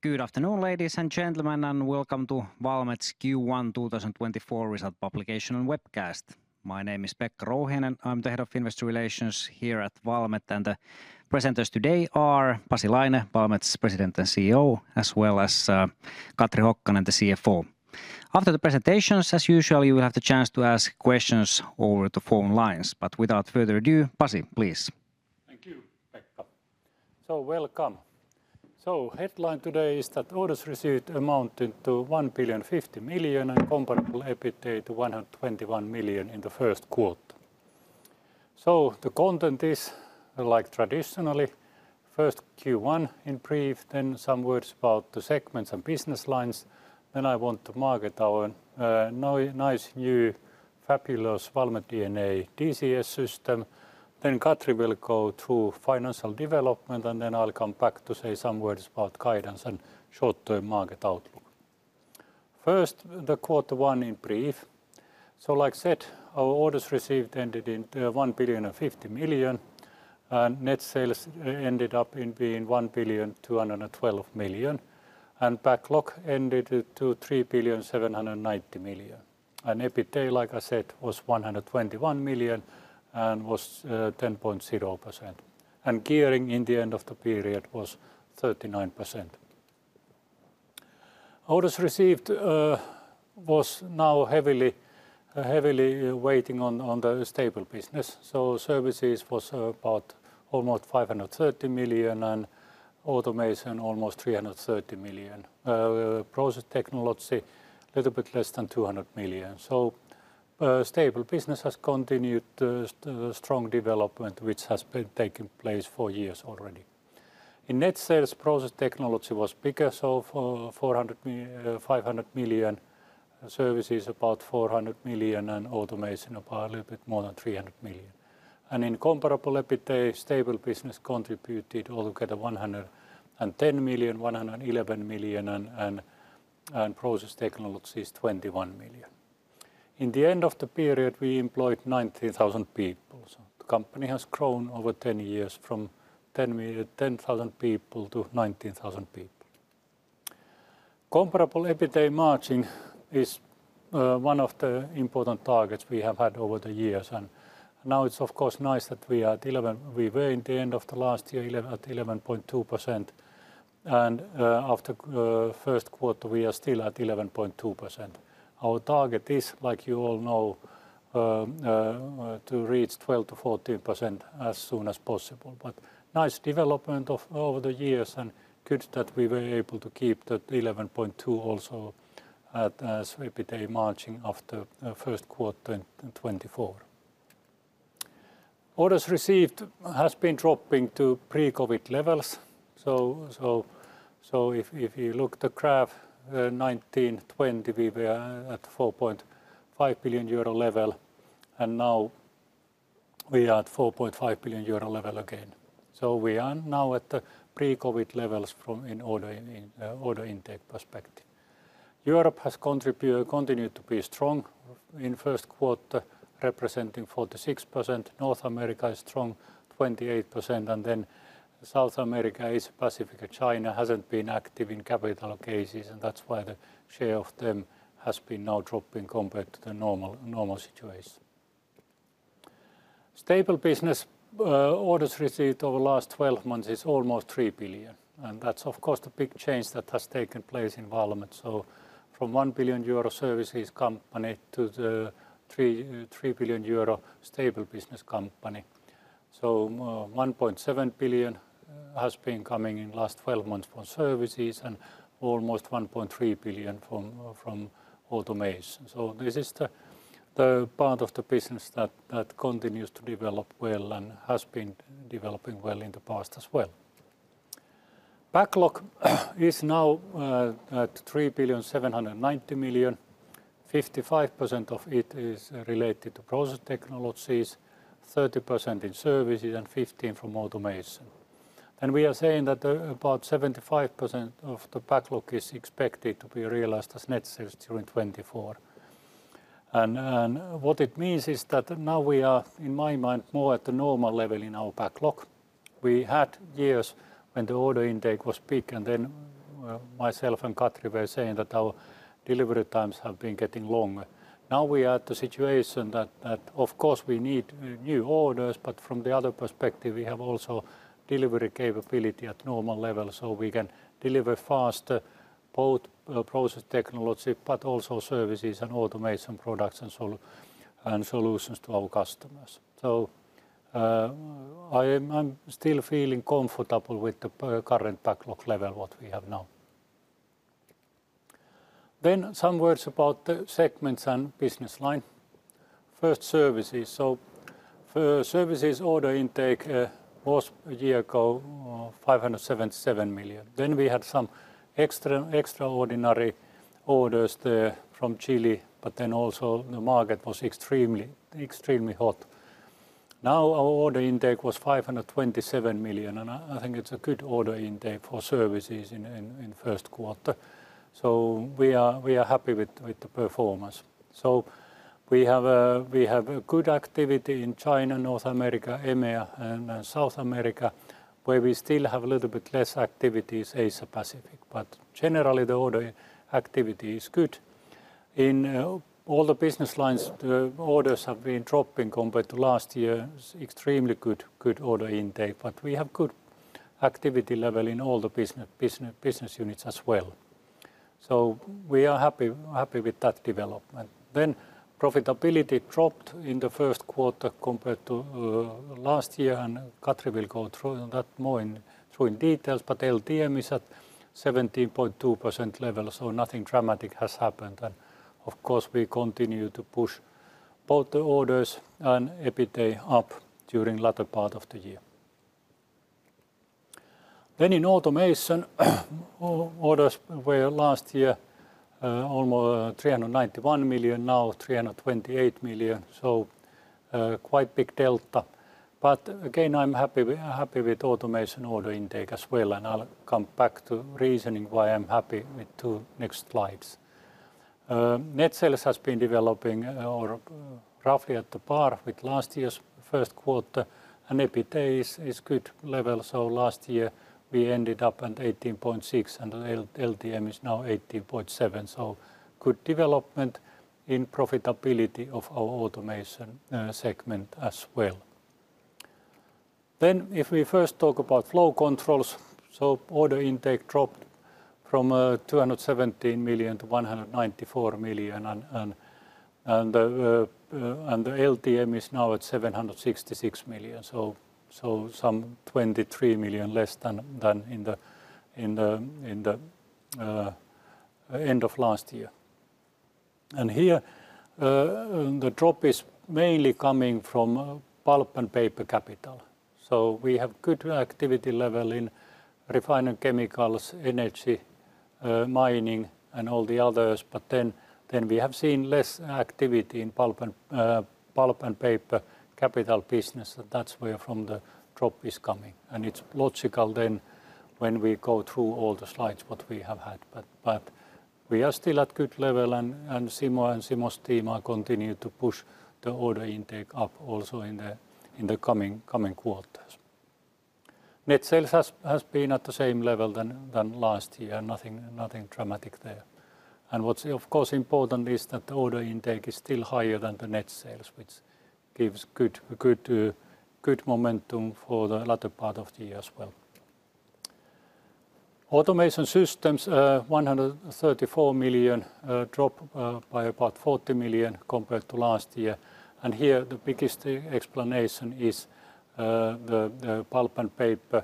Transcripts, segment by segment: Good afternoon, ladies and gentlemen, and Welcome to Valmet's Q1 2024 result publication and webcast. My name is Pekka Rouhiainen, I'm the Head of Investor Relations here at Valmet, and the presenters today are Pasi Laine, Valmet's President and CEO, as well as Katri Hokkanen, the CFO. After the presentations, as usual, you will have the chance to ask questions over the phone lines, but without further ado, Pasi, please. Thank you, Pekka. So welcome. So headline today is that orders received amounted to 1.5 billion and comparable EBITDA to 121 million in the first quarter. So the content is, like traditionally, first Q1 in brief, then some words about the segments and business lines, then I want to market our nice new fabulous Valmet DNA DCS system, then Katri will go through financial development and then I'll come back to say some words about guidance and short-term market outlook. First, the quarter one in brief. So like said, our orders received ended in 1.5 billion and net sales ended up in being 1.212 billion and backlog ended to 3.79 billion. And EBITDA, like I said, was 121 million and was 10.0%. And gearing in the end of the period was 39%. Orders received was now heavily weighting on the Stable business. So Services was about almost 530 million and Automation almost 330 million. Process technology a little bit less than 200 million. So Stable business has continued strong development which has been taking place for years already. In net sales, Process Technology was bigger so 400-500 million, Services about 400 million and Automation about a little bit more than 300 million. And in comparable EBITDA, Stable business contributed altogether 110 million-111 million, and Process Technologies 21 million. In the end of the period, we employed 19,000 people. So the company has grown over 10 years from 10,000 people to 19,000 people. Comparable EBITDA margin is one of the important targets we have had over the years. And now it's of course nice that we are at 11% we were in the end of the last year at 11.2%. And after first quarter, we are still at 11.2%. Our target is, like you all know, to reach 12%-14% as soon as possible. But nice development over the years and good that we were able to keep the 11.2% also as EBITDA margin after first quarter 2024. Orders received has been dropping to pre-COVID levels. So if you look at the graph, 2019-2020 we were at 4.5 billion euro level and now we are at 4.5 billion euro level again. So we are now at the pre-COVID levels from in order intake perspective. Europe has continued to be strong in first quarter representing 46%. North America is strong 28% and then South America, Asia-Pacific. China hasn't been active in capex and that's why the share of them has been now dropping compared to the normal situation. Stable business orders received over the last 12 months is almost 3 billion. That's of course the big change that has taken place in Valmet. From 1 billion euro Services company to the 3 billion euro Stable business company. 1.7 billion has been coming in last 12 months from Services and almost 1.3 billion from Automation. This is the part of the business that continues to develop well and has been developing well in the past as well. Backlog is now at 3.79 billion. 55% of it is related to Process Technologies, 30% in Services and 15% from Automation. We are saying that about 75% of the backlog is expected to be realized as net sales during 2024. What it means is that now we are in my mind more at the normal level in our backlog. We had years when the order intake was peak and then myself and Katri were saying that our delivery times have been getting longer. Now we are at the situation that of course we need new orders but from the other perspective we have also delivery capability at normal level so we can deliver faster both Process technology but also Services and Automation products and solutions to our customers. So I'm still feeling comfortable with the current backlog level what we have now. Then some words about the segments and business line. First Services. So Services order intake was a year ago 577 million. Then we had some extraordinary orders there from Chile but then also the market was extremely hot. Now our order intake was 527 million and I think it's a good order intake for Services in first quarter. So we are happy with the performance. So we have good activity in China, North America, EMEA and South America where we still have a little bit less activities Asia-Pacific. But generally the order activity is good. In all the business lines, the orders have been dropping compared to last year. Extremely good order intake. But we have good activity level in all the business units as well. So we are happy with that development. Then profitability dropped in the first quarter compared to last year and Katri will go through that more in details. But LTM is at 17.2% level so nothing dramatic has happened. And of course we continue to push both the orders and EBITDA up during latter part of the year. Then in Automation, orders were last year almost 391 million, now 328 million. So quite big delta. But again I'm happy with Automation order intake as well and I'll come back to reasoning why I'm happy with two next slides. Net sales has been developing or roughly at par with last year's first quarter. EBITDA is good level so last year we ended up at 18.6% and LTM is now 18.7%. So good development in profitability of our Automation segment as well. Then if we first talk about Flow Control. So order intake dropped from 217 million to 194 million and the LTM is now at 766 million. So some 23 million less than in the end of last year. And here the drop is mainly coming from Pulp and Paper capital. So we have good activity level in refining chemicals, Energy, mining and all the others but then we have seen less activity in Pulp and Paper Capital business and that's where from the drop is coming. It's logical then when we go through all the slides what we have had. But we are still at good level and Simo and Simo's team are continuing to push the order intake up also in the coming quarters. Net sales has been at the same level than last year. Nothing dramatic there. And what's of course important is that the order intake is still higher than the net sales which gives good momentum for the latter part of the year as well. Automation Systems 134 million drop by about 40 million compared to last year. And here the biggest explanation is the Pulp and Paper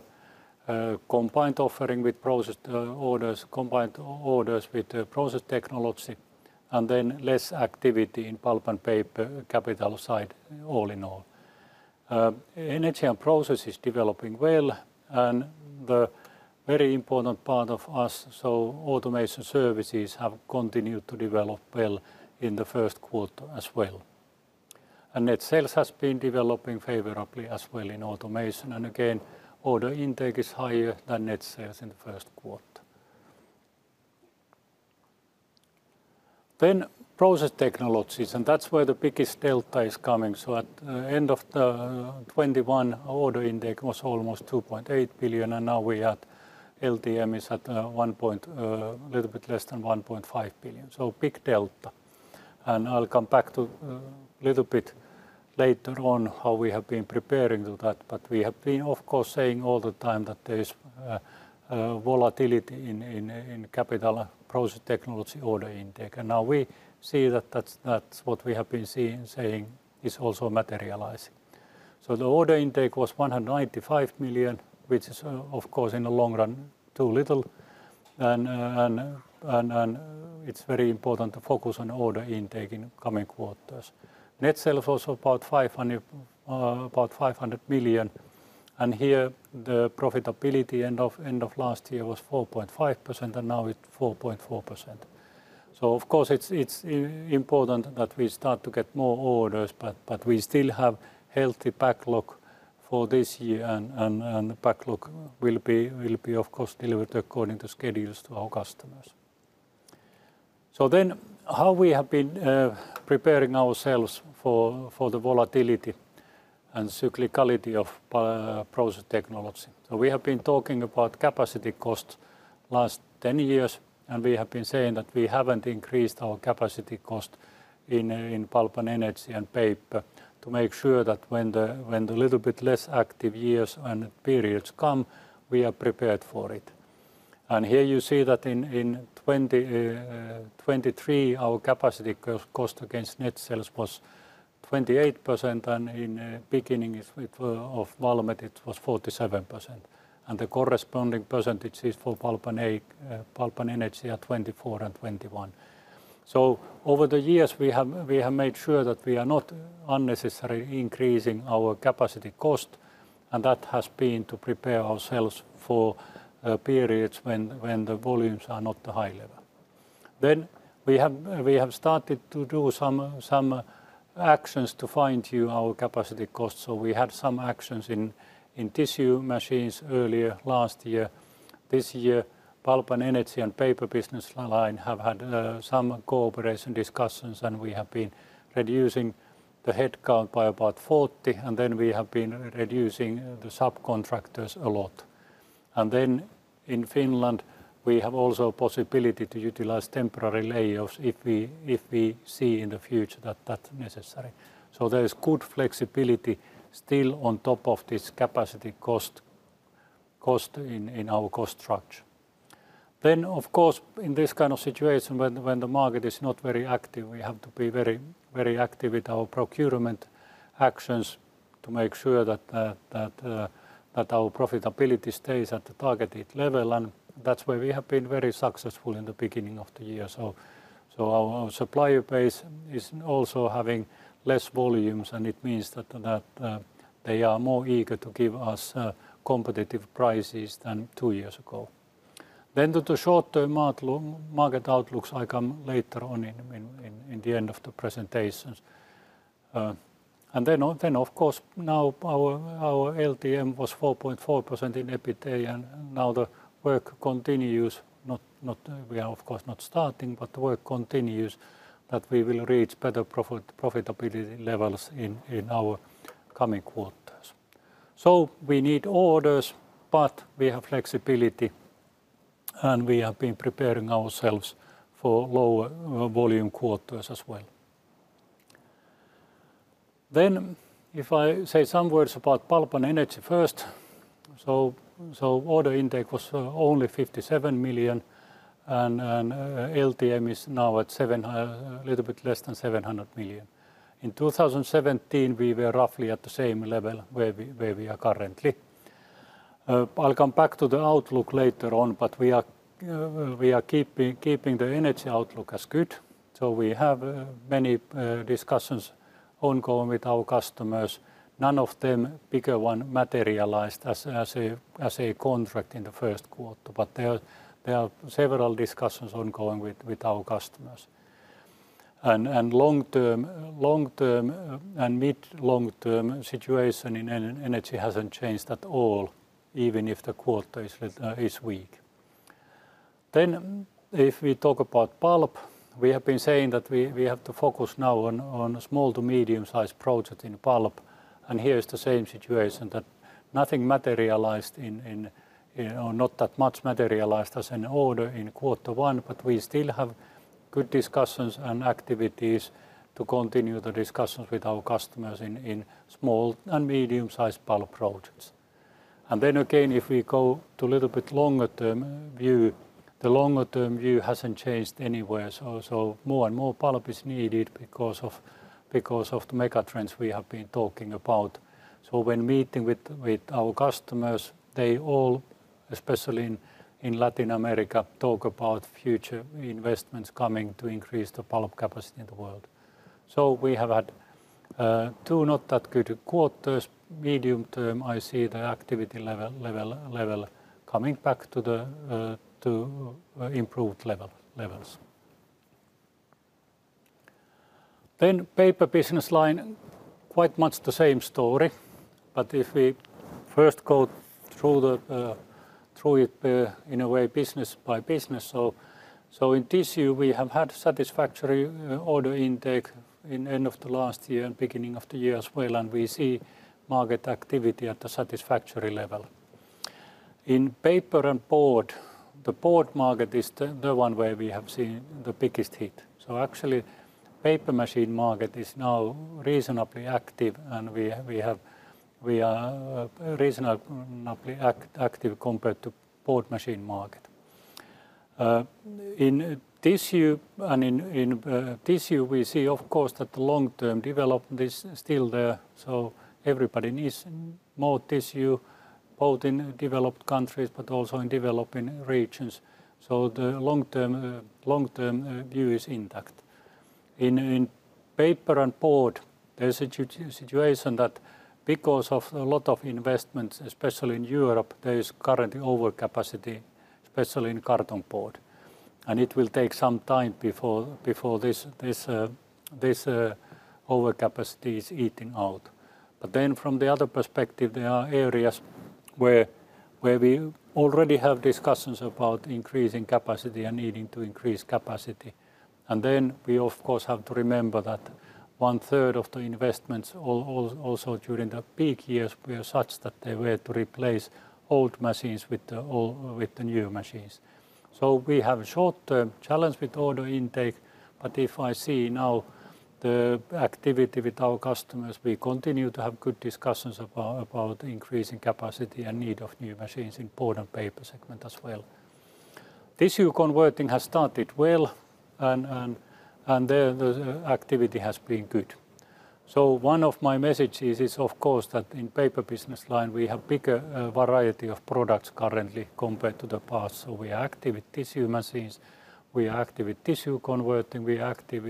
combined offering with process orders combined orders with the Process Technology and then less activity in Pulp and Paper capital side all in all. Energy and Process is developing well and the very important part of us so Automation Services have continued to develop well in the first quarter as well. And net sales has been developing favorably as well in Automation and again order intake is higher than net sales in the first quarter. Then Process Technologies and that's where the biggest delta is coming. So at the end of the 2021 order intake was almost 2.8 billion and now we are at LTM is at a little bit less than 1.5 billion. So big delta. I'll come back to a little bit later on how we have been preparing to that, but we have been of course saying all the time that there is volatility in Capital Process Technology order intake. Now we see that that's what we have been saying is also materializing. So the order intake was 195 million, which is of course in the long run too little. And it's very important to focus on order intake in coming quarters. Net sales was about 500 million. And here the profitability end of last year was 4.5% and now it's 4.4%. So of course it's important that we start to get more orders, but we still have healthy backlog for this year and backlog will be of course delivered according to schedules to our customers. Then how we have been preparing ourselves for the volatility and cyclicality of Process Technology. So we have been talking about capacity costs last 10 years and we have been saying that we haven't increased our capacity cost in Pulp and Energy and Paper to make sure that when the little bit less active years and periods come we are prepared for it. And here you see that in 2023 our capacity cost against net sales was 28% and in the beginning of Valmet it was 47%. And the corresponding percentages for Pulp and Energy are 24% and 21%. So over the years we have made sure that we are not unnecessarily increasing our capacity cost. And that has been to prepare ourselves for periods when the volumes are not the high level. Then we have started to do some actions to fine-tune our capacity costs. So we had some actions in Tissue machines earlier last year. This year, Pulp and Energy and Paper business line have had some cooperation discussions, and we have been reducing the headcount by about 40, and then we have been reducing the subcontractors a lot. Then, in Finland, we have also possibility to utilize temporary layoffs if we see in the future that that's necessary. So, there is good flexibility still on top of this capacity cost in our cost structure. Then, of course, in this kind of situation when the market is not very active, we have to be very active with our procurement actions to make sure that our profitability stays at the targeted level, and that's where we have been very successful in the beginning of the year. So, our supplier base is also having less volumes, and it means that they are more eager to give us competitive prices than two years ago. Then to the short-term market outlooks I come later on in the end of the presentations. And then of course now our LTM was 4.4% in EBITDA and now the work continues not we are of course not starting but the work continues that we will reach better profitability levels in our coming quarters. So we need orders but we have flexibility. And we have been preparing ourselves for lower volume quarters as well. Then if I say some words about Pulp and Energy first. So order intake was only 57 million. And LTM is now at a little bit less than 700 million. In 2017 we were roughly at the same level where we are currently. I'll come back to the outlook later on but we are keeping the Energy outlook as good. So we have many discussions ongoing with our customers. None of the bigger ones materialized as a contract in the first quarter, but there are several discussions ongoing with our customers. Long-term and mid- to long-term situation in Energy hasn't changed at all even if the quarter is weak. Then if we talk about Pulp we have been saying that we have to focus now on small- to medium-size projects in Pulp. And here is the same situation that nothing materialized in or not that much materialized as an order in quarter one but we still have good discussions and activities to continue the discussions with our customers in small- and medium-size Pulp projects. And then again if we go to a little bit longer-term view the longer-term view hasn't changed anywhere so more and more pulp is needed because of the megatrends we have been talking about. So, when meeting with our customers, they all, especially in Latin America, talk about future investments coming to increase the Pulp capacity in the world. So we have had two not that good quarters. Medium term, I see the activity level coming back to the improved levels. Then Paper business line quite much the same story. But if we first go through it in a way, business by business. So in Tissue we have had satisfactory order intake in end of the last year and beginning of the year as well and we see market activity at the satisfactory level. In Paper and Board, the Board market is the one where we have seen the biggest hit. So actually paper machine market is now reasonably active and we are reasonably active compared to board machine market. In Tissue we see of course that the long-term development is still there so everybody needs more tissue both in developed countries but also in developing regions. So the long-term view is intact. In Paper and Board there's a situation that because of a lot of investments especially in Europe there is currently overcapacity especially in carton board. And it will take some time before this overcapacity is eating out. But then from the other perspective there are areas where we already have discussions about increasing capacity and needing to increase capacity. And then we of course have to remember that 1/3 of the investments also during the peak years were such that they were to replace old machines with the new machines. So we have a short-term challenge with order intake, but if I see now the activity with our customers, we continue to have good discussions about increasing capacity and need of new machines in Pulp and Paper segment as well. Tissue Converting has started well, and there the activity has been good. So one of my messages is of course that in Paper business line we have bigger variety of products currently compared to the past. So we are active with Tissue machines. We are active with Tissue Converting. We are active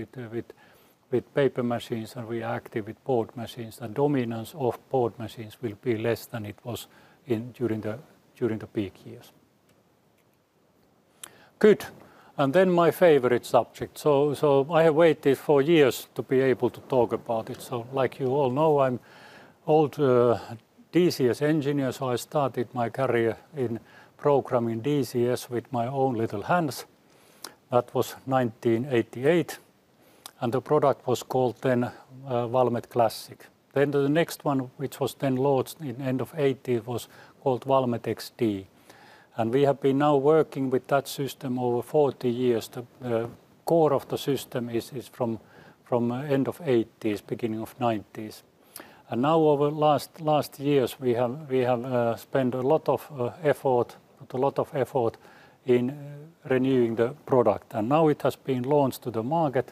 with paper machines, and we are active with board machines. The dominance of board machines will be less than it was during the peak years. Good. And then my favorite subject. So I have waited for years to be able to talk about it. So like you all know I'm old DCS engineer so I started my career in programming DCS with my own little hands. That was 1988. And the product was called then Valmet Classic. Then the next one which was then launched in end of the 1980s was called Valmet XD. And we have been now working with that system over 40 years. The core of the system is from end of the 1980s beginning of the 1990s. And now over last years we have spent a lot of effort a lot of effort in renewing the product and now it has been launched to the market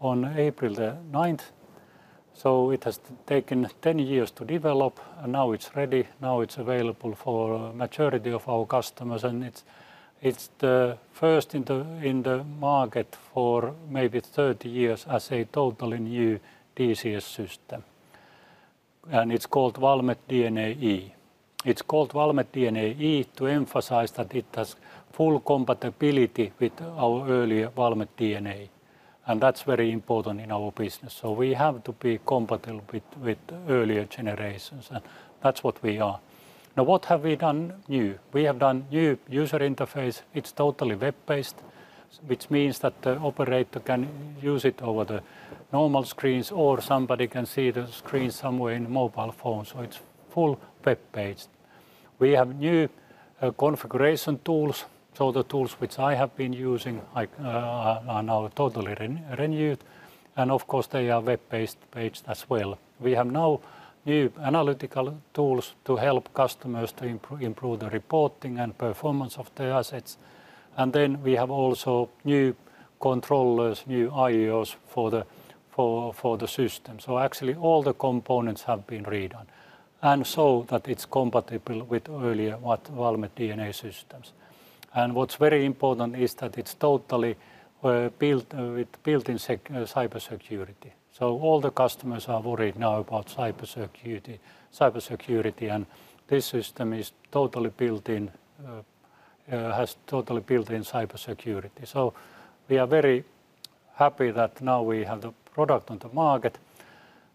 on April 9. So it has taken 10 years to develop and now it's ready. Now it's available for majority of our customers and it's the first in the market for maybe 30 years as a totally new DCS system. And it's called Valmet DNAe. It's called Valmet DNAe to emphasize that it has full compatibility with our earlier Valmet DNA. That's very important in our business. We have to be compatible with earlier generations and that's what we are. What have we done new? We have done new user interface. It's totally web-based which means that the operator can use it over the normal screens or somebody can see the screens somewhere in mobile phone so it's full web-based. We have new configuration tools so the tools which I have been using are now totally renewed. Of course they are web-based page as well. We have now new analytical tools to help customers to improve the reporting and performance of their assets. Then we have also new controllers new I/Os for the system. Actually all the components have been redone. And so that it's compatible with earlier Valmet DNA Systems. And what's very important is that it's totally built with built-in cybersecurity. So all the customers are worried now about cybersecurity and this system is totally built-in has totally built-in cybersecurity. So we are very happy that now we have the product on the market.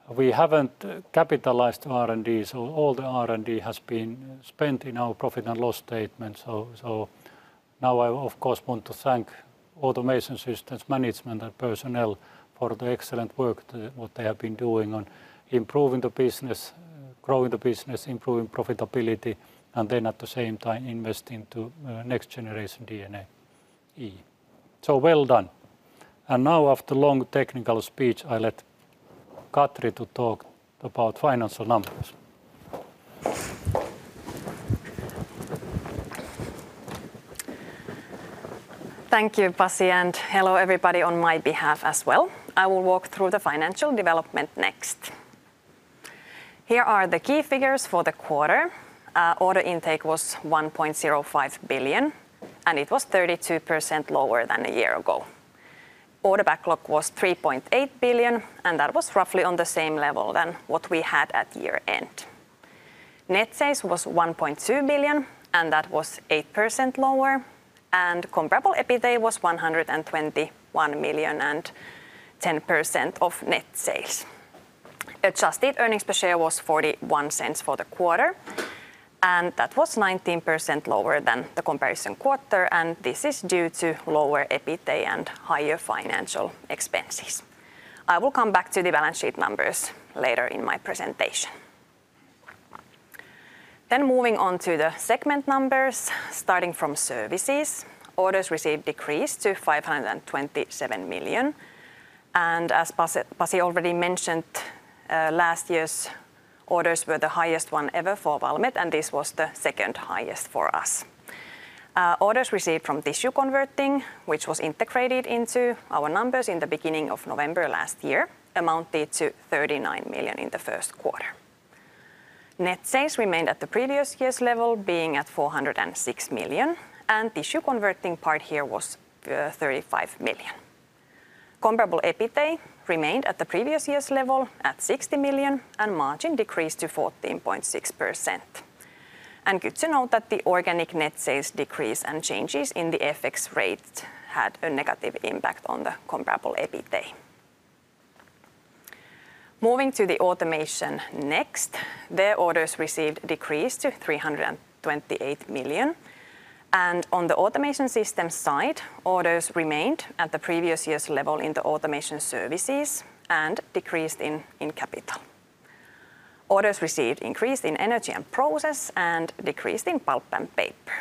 We haven't capitalized R&D so all the R&D has been spent in our profit and loss statement. So now I of course want to thank Automation Systems management and personnel for the excellent work what they have been doing on improving the business growing the business improving profitability and then at the same time investing to next generation DNAe. So well done. And now after long technical speech I let Katri to talk about financial numbers. Thank you Pasi and hello everybody on my behalf as well. I will walk through the financial development next. Here are the key figures for the quarter. Order intake was 1.05 billion and it was 32% lower than a year ago. Order backlog was 3.8 billion and that was roughly on the same level than what we had at year end. Net sales was 1.2 billion and that was 8% lower and Comparable EBITDA was 121 million and 10% of net sales. Adjusted earnings per share was 0.41 for the quarter. That was 19% lower than the comparison quarter and this is due to lower EBITDA and higher financial expenses. I will come back to the balance sheet numbers later in my presentation. Moving on to the segment numbers starting from Services. Orders received decreased to 527 million. As Pasi already mentioned last year's orders were the highest one ever for Valmet and this was the second highest for us. Orders received from Tissue Converting, which was integrated into our numbers in the beginning of November last year, amounted to 39 million in the first quarter. Net sales remained at the previous year's level, being at 406 million, and Tissue Converting part here was 35 million. Comparable EBITDA remained at the previous year's level at 60 million, and margin decreased to 14.6%. Good to note that the organic net sales decrease and changes in the FX rates had a negative impact on the comparable EBITDA. Moving to the Automation next. There, orders received decreased to 328 million. On the Automation System side, orders remained at the previous year's level in the Automation Services and decreased in capital. Orders received increased in Energy and Process and decreased in Pulp and Paper.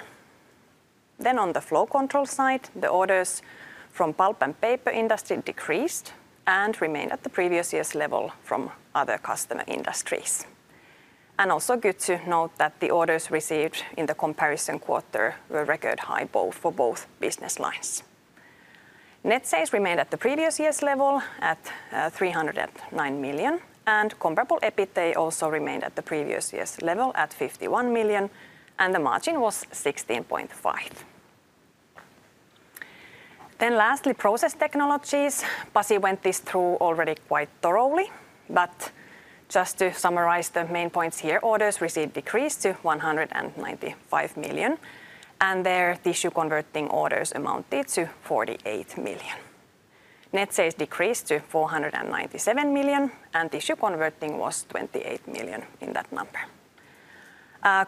On the Flow Control side the orders from Pulp and Paper industry decreased and remained at the previous year's level from other customer industries. Also good to note that the orders received in the comparison quarter were record high both for business lines. Net sales remained at the previous year's level at 309 million and Comparable EBITDA also remained at the previous year's level at 51 million and the margin was 16.5%. Lastly Process Technologies. Pasi went this through already quite thoroughly but just to summarize the main points here orders received decreased to 195 million and their Tissue Converting orders amounted to 48 million. Net sales decreased to 497 million and Tissue Converting was 28 million in that number.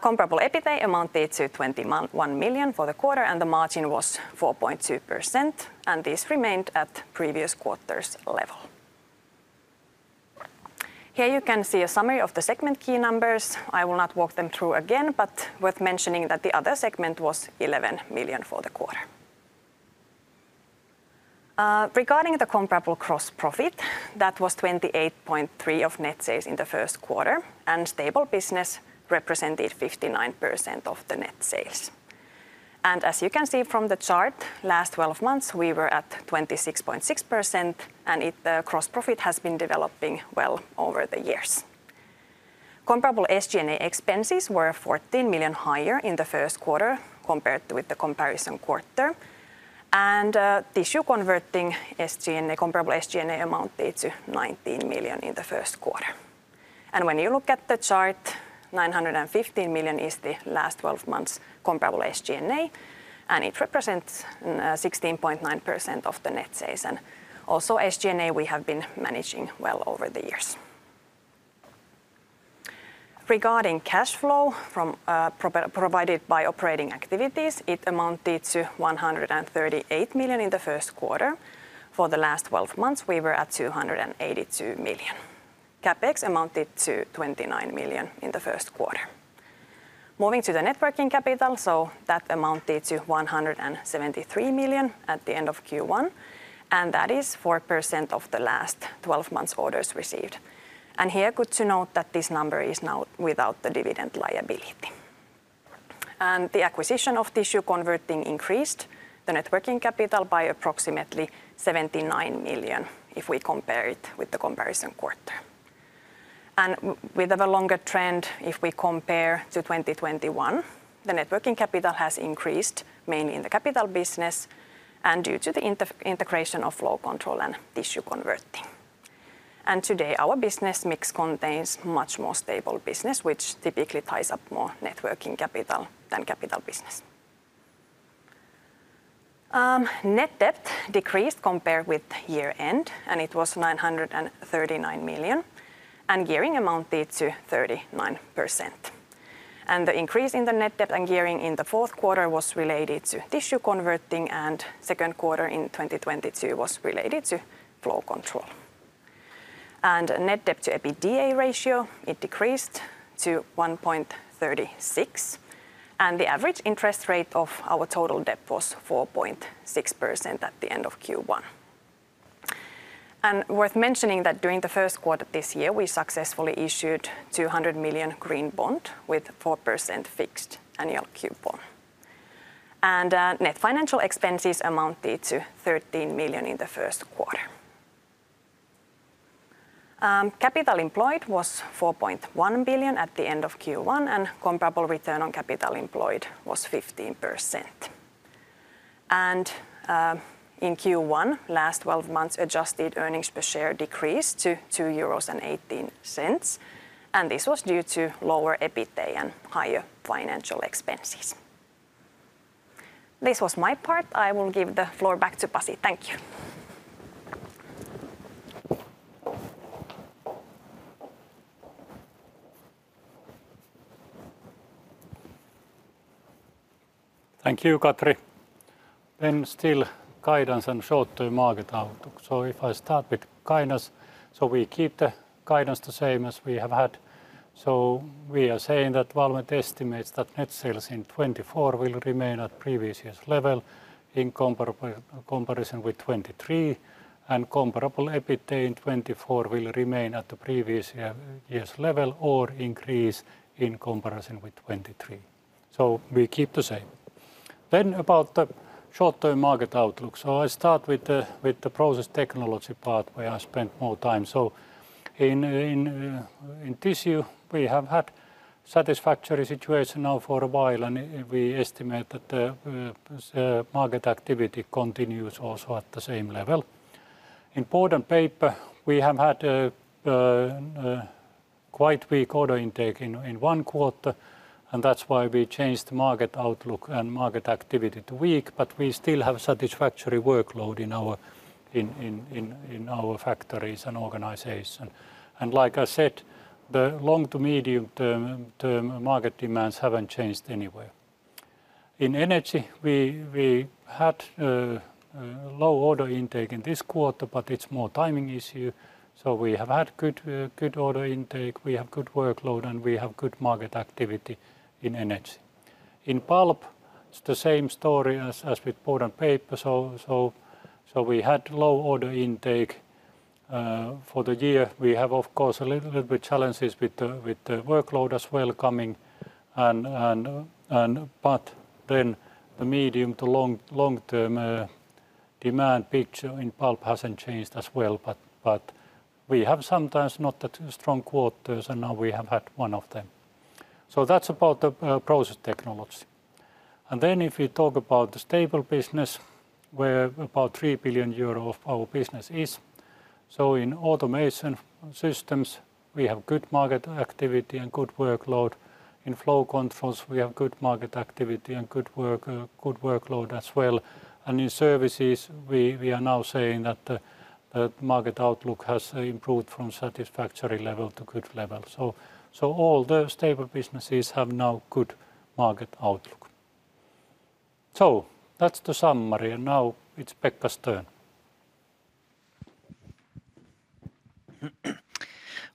Comparable EBITDA amounted to 21 million for the quarter and the margin was 4.2% and this remained at previous quarters level. Here you can see a summary of the segment key numbers. I will not walk them through again but worth mentioning that the other segment was 11 million for the quarter. Regarding the comparable gross profit that was 28.3% of net sales in the first quarter and Stable business represented 59% of the net sales. And as you can see from the chart, last 12 months we were at 26.6% and the gross profit has been developing well over the years. Comparable SG&A expenses were 14 million higher in the first quarter compared with the comparison quarter. And Tissue Converting SG&A comparable SG&A amounted to 19 million in the first quarter. And when you look at the chart, 915 million is the last 12 months comparable SG&A and it represents 16.9% of the net sales and also SG&A we have been managing well over the years. Regarding cash flow provided by operating activities, it amounted to 138 million in the first quarter. For the last 12 months, we were at 282 million. CapEx amounted to 29 million in the first quarter. Moving to the net working capital, so that amounted to 173 million at the end of Q1, and that is 4% of the last 12 months orders received. And here good to note that this number is now without the dividend liability. And the acquisition of Tissue Converting increased the net working capital by approximately 79 million if we compare it with the comparison quarter. And with a longer trend, if we compare to 2021, the net working capital has increased mainly in the Capital business and due to the integration of Flow Control and Tissue Converting. And today our business mix contains much more Stable business which typically ties up more net working capital than Capital business. Net debt decreased compared with year-end and it was 939 million and gearing amounted to 39%. The increase in the net debt and gearing in the fourth quarter was related to Tissue Converting and second quarter in 2022 was related to Flow Control. Net debt to EBITDA ratio it decreased to 1.36 and the average interest rate of our total debt was 4.6% at the end of Q1. Worth mentioning that during the first quarter this year we successfully issued 200 million Green Bond with 4% fixed annual coupon. Net financial expenses amounted to 13 million in the first quarter. Capital employed was 4.1 billion at the end of Q1 and comparable return on capital employed was 15%. In Q1 last 12 months adjusted earnings per share decreased to 2.18 euros and this was due to lower EBITDA and higher financial expenses. This was my part. I will give the floor back to Pasi. Thank you. Thank you, Katri. Then, still guidance and short-term market outlook. So if I start with guidance, so we keep the guidance the same as we have had. So we are saying that Valmet estimates that net sales in 2024 will remain at previous year's level in comparison with 2023 and comparable EBITDA in 2024 will remain at the previous year's level or increase in comparison with 2023. So we keep the same. Then about the short-term market outlook. So I start with the Process Technology part where I spent more time. So in Tissue we have had a satisfactory situation now for a while and we estimate that the market activity continues also at the same level. In Board and Paper we have had quite weak order intake in one quarter and that's why we changed the market outlook and market activity to weak but we still have satisfactory workload in our factories and organization. And like I said the long to medium term market demands haven't changed anywhere. In Energy we had low order intake in this quarter but it's more timing issue. So we have had good order intake. We have good workload and we have good market activity in Energy. In Pulp it's the same story as with Board and Paper. So we had low order intake. For the year we have of course a little bit challenges with the workload as well coming but then the medium- to long-term demand picture in Pulp hasn't changed as well, but we have sometimes not that strong quarters and now we have had one of them. So that's about the Process Technology. And then if we talk about the Stable business where about 3 billion euro of our business is. So in Automation Systems we have good market activity and good workload. In Flow Controls we have good market activity and good workload as well. And in Services we are now saying that the market outlook has improved from satisfactory level to good level. So all the Stable businesses have now good market outlook. So that's the summary and now it's Pekka's turn.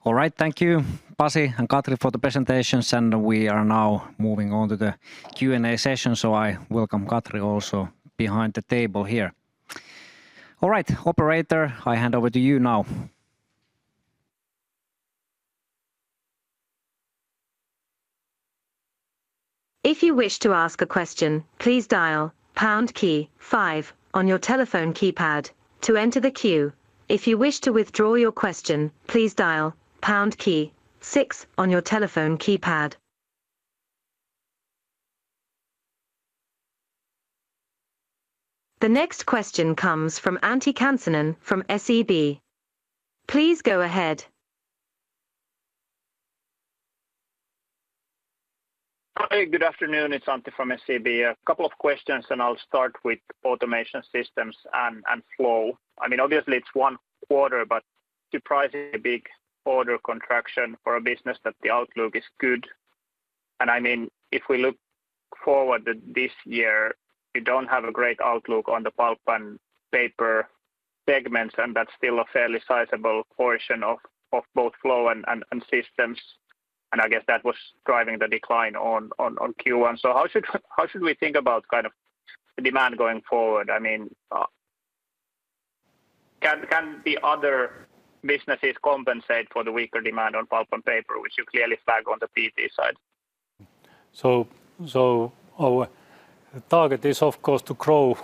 All right, thank you Pasi and Katri for the presentations and we are now moving on to the Q&A session so I welcome Katri also behind the table here. All right, operator, I hand over to you now. If you wish to ask a question please dial pound key five on your telephone keypad to enter the queue. If you wish to withdraw your question please dial pound key six on your telephone keypad. The next question comes from Antti Kansanen from SEB. Please go ahead. Hi, good afternoon, it's Antti from SEB. A couple of questions and I'll start with Automation Systems and flow. I mean obviously it's one quarter but surprisingly big order contraction for a business that the outlook is good. I mean if we look forward to this year you don't have a great outlook on the Pulp and Paper segments and that's still a fairly sizable portion of both Flow and Systems. I guess that was driving the decline on Q1. So how should we think about kind of the demand going forward? I mean... Can the other businesses compensate for the weaker demand on Pulp and Paper which you clearly flag on the PT side? So our target is of course to grow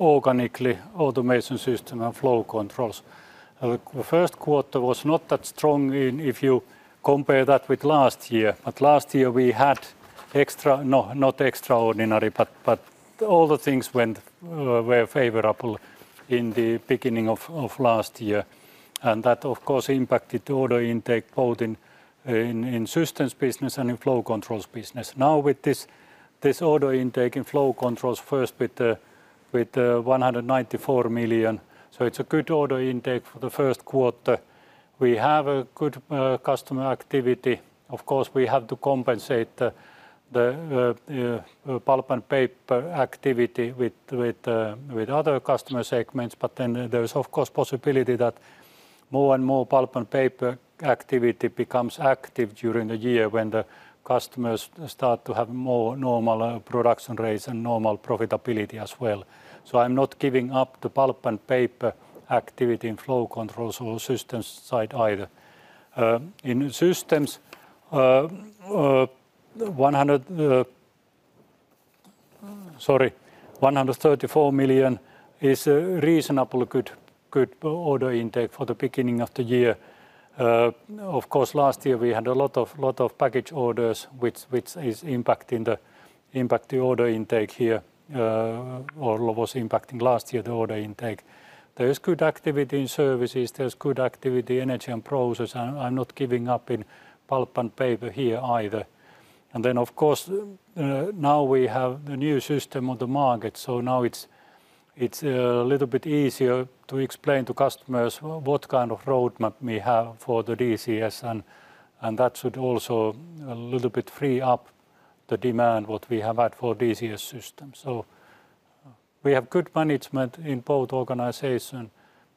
organically Automation System and Flow Controls. The first quarter was not that strong in if you compare that with last year but last year we had extra not extraordinary but all the things went were favorable in the beginning of last year. And that of course impacted the order intake both in in Systems business and in Flow Controls business. Now with this order intake in Flow Controls first with the 194 million so it's a good order intake for the first quarter. We have a good customer activity. Of course we have to compensate the Pulp and Paper activity with other customer segments but then there's of course possibility that more and more Pulp and Paper activity becomes active during the year when the customers start to have more normal production rates and normal profitability as well. So I'm not giving up the Pulp and Paper activity in Flow Controls or Systems side either. In Systems, sorry, 134 million is a reasonable good order intake for the beginning of the year. Of course last year we had a lot of package orders which is impacting the order intake here or was impacting last year the order intake. There's good activity in Services. There's good activity in Energy and Process and I'm not giving up in Pulp and Paper here either. And then of course now we have the new system on the market so now it's a little bit easier to explain to customers what kind of roadmap we have for the DCS and that should also a little bit free up the demand what we have had for DCS Systems. So we have good momentum in both organizations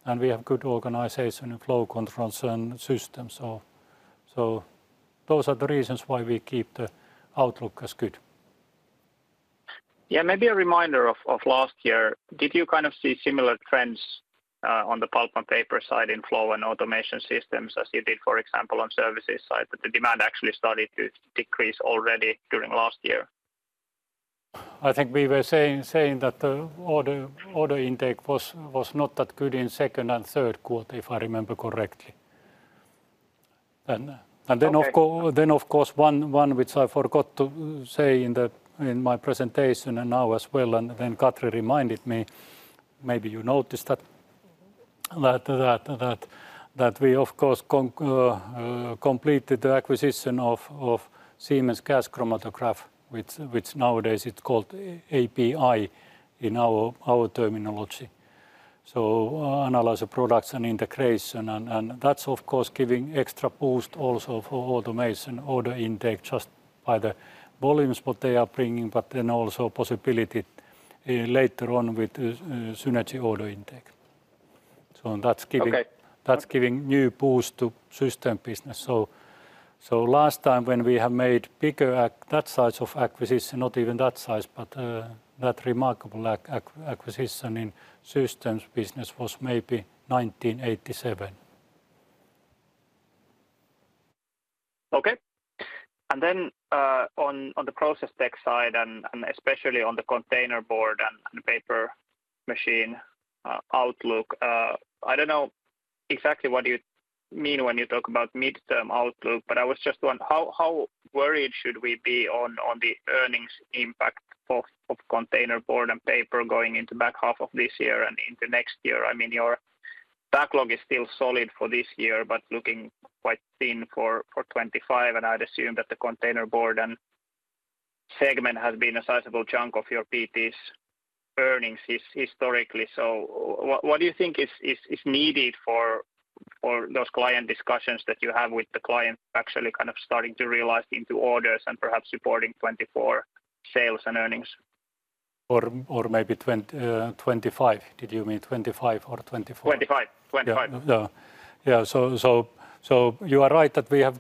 and we have good organization in Flow Control and Systems. So those are the reasons why we keep the outlook as good. Yeah, maybe a reminder of last year. Did you kind of see similar trends on the Pulp and Paper side in Flow Control and Automation Systems as you did for example on Services side that the demand actually started to decrease already during last year? I think we were saying that the order intake was not that good in second and third quarter if I remember correctly. And then of course one which I forgot to say in my presentation and now as well and then Katri reminded me. Maybe you noticed that we of course completed the acquisition of Siemens gas chromatograph which nowadays it's called API in our terminology. So Analyzer Products and Integration and that's of course giving extra boost also for Automation order intake just by the volumes what they are bringing but then also possibility later on with synergy order intake. So that's giving new boost to System business. So last time when we have made bigger that size of acquisition not even that size but that remarkable acquisition in Systems business was maybe 1987. Okay. Then on the Process tech side and especially on the container Board and Paper machine outlook, I don't know exactly what you mean when you talk about mid-term outlook, but I was just wondering how worried should we be on the earnings impact of container Board and Paper going into back half of this year and into next year? I mean, your backlog is still solid for this year but looking quite thin for 2025, and I'd assume that the container board and segment has been a sizable chunk of your PT's earnings historically. So what do you think is needed for those client discussions that you have with the clients actually kind of starting to realize into orders and perhaps supporting 2024 sales and earnings? Or maybe 2025? Did you mean 2025 or 2024? 2025. 2025. Yeah. Yeah, so you are right that we have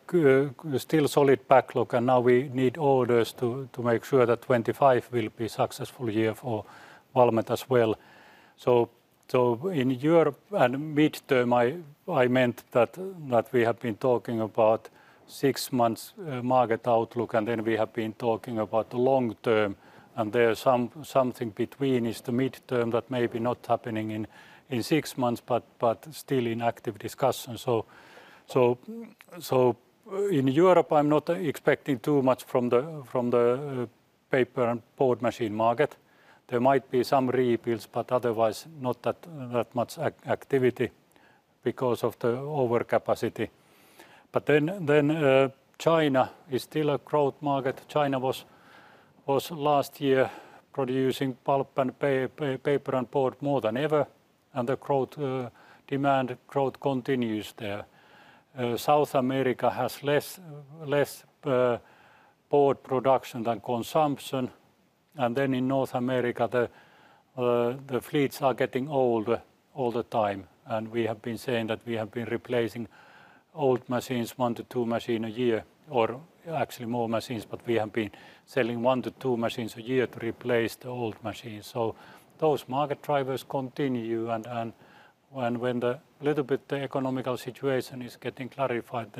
still solid backlog and now we need orders to make sure that 2025 will be successful year for Valmet as well. So in Europe and mid-term I meant that we have been talking about six months market outlook and then we have been talking about the long term and there's something between is the mid-term that may be not happening in six months but still in active discussion. So in Europe I'm not expecting too much from the paper and board machine market. There might be some rebuilds but otherwise not that much activity because of the overcapacity. But then China is still a growth market. China was last year producing pulp and paper and board more than ever and the growth demand growth continues there. South America has less board production than consumption. And then in North America the fleets are getting older all the time and we have been saying that we have been replacing old machines one to two machines a year or actually more machines but we have been selling one to two machines a year to replace the old machines. So those market drivers continue and when a little bit the economic situation is getting clarified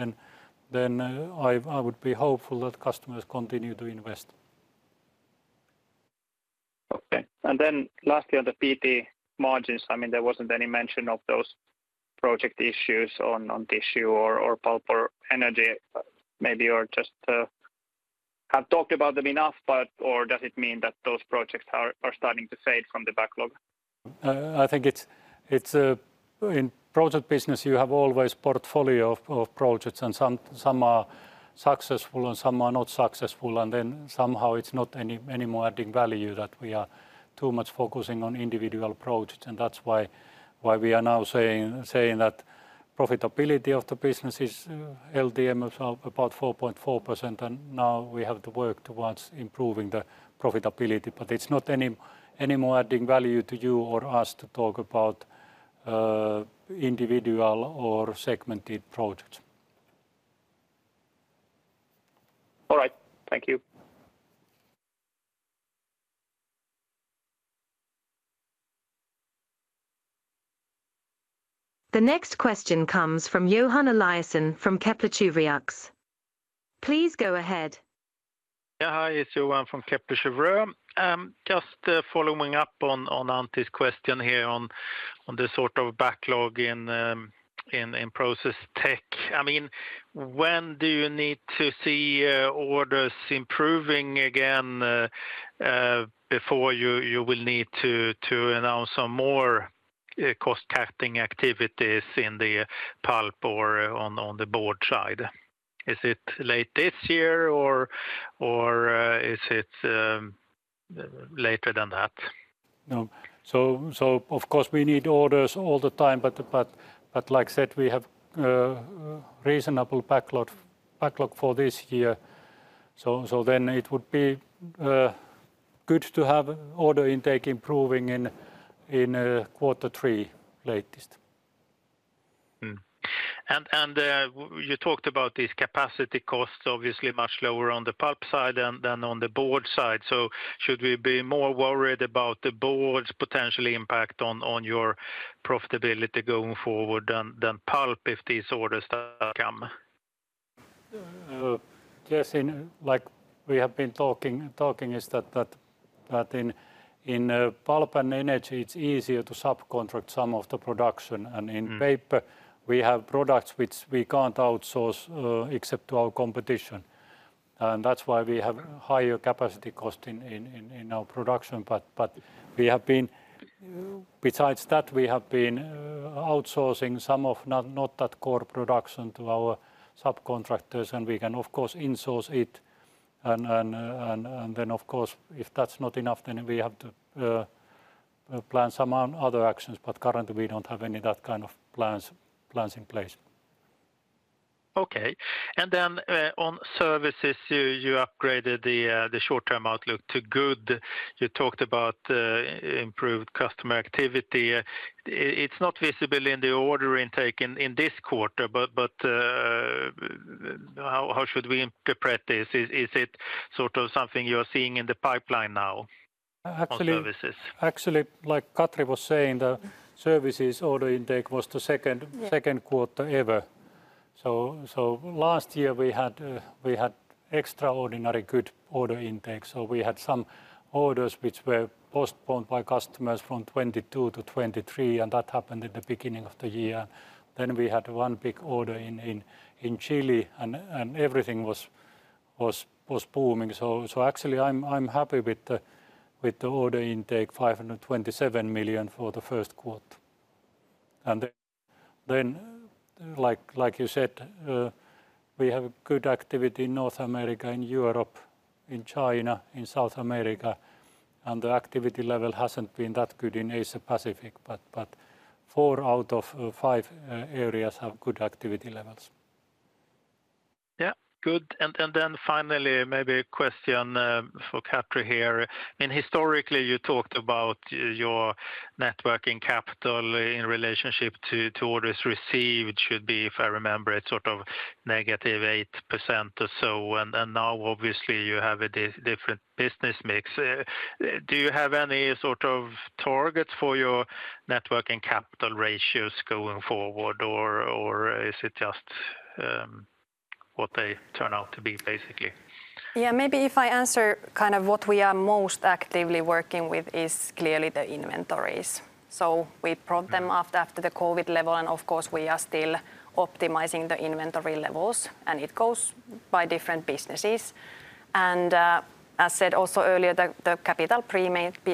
then I would be hopeful that customers continue to invest. Okay. And then lastly on the PT margins I mean there wasn't any mention of those project issues on Tissue or Pulp or Energy maybe or just have talked about them enough but or does it mean that those projects are starting to fade from the backlog? I think it's in project business you have always portfolio of projects and some are successful and some are not successful and then somehow it's not anymore adding value that we are too much focusing on individual projects and that's why we are now saying that profitability of the business is LTM about 4.4% and now we have to work towards improving the profitability but it's not anymore adding value to you or us to talk about individual or segmented projects. All right. Thank you. The next question comes from Johan Eliason from Kepler Cheuvreux. Please go ahead. Yeah hi it's Johan from Kepler Cheuvreux. Just following up on Antti's question here on the sort of backlog in Process Tech. I mean when do you need to see orders improving again before you will need to announce some more cost-cutting activities in the Pulp or on the Board side? Is it late this year or is it later than that? No. So of course we need orders all the time but like said we have a reasonable backlog for this year. So then it would be good to have order intake improving in quarter three latest. And you talked about these capacity costs obviously much lower on the Pulp side then on the Board side. So should we be more worried about the Board's potential impact on your profitability going forward than Pulp if these orders that come? Yes, like we have been talking is that in Pulp and Energy it's easier to subcontract some of the production and in paper we have products which we can't outsource except to our competition. And that's why we have higher capacity cost in our production but we have been besides that we have been outsourcing some of not that core production to our subcontractors and we can of course insource it and then of course if that's not enough then we have to plan some other actions but currently we don't have any that kind of plans in place. Okay. And then on Services you upgraded the short-term outlook to good. You talked about improved customer activity. It's not visible in the order intake in this quarter but how should we interpret this? Is it sort of something you are seeing in the pipeline now on Services? Actually like Katri was saying the Services order intake was the second quarter ever. So last year we had extraordinarily good order intake so we had some orders which were postponed by customers from 2022 to 2023 and that happened in the beginning of the year. Then we had one big order in Chile and everything was booming. So actually I'm happy with the order intake 527 million for the first quarter. And then like you said we have good activity in North America, in Europe, in China, in South America. And the activity level hasn't been that good in Asia-Pacific but four out of five areas have good activity levels. Yeah good. And then finally maybe a question for Katri here. I mean historically you talked about your net working capital in relationship to orders received should be if I remember it sort of -8% or so and now obviously you have a different business mix. Do you have any sort of targets for your net working capital ratios going forward or is it just what they turn out to be basically? Yeah, maybe if I answer kind of what we are most actively working with is clearly the inventories. So we brought them after the COVID level and of course we are still optimizing the inventory levels and it goes by different businesses. And as said also earlier the customer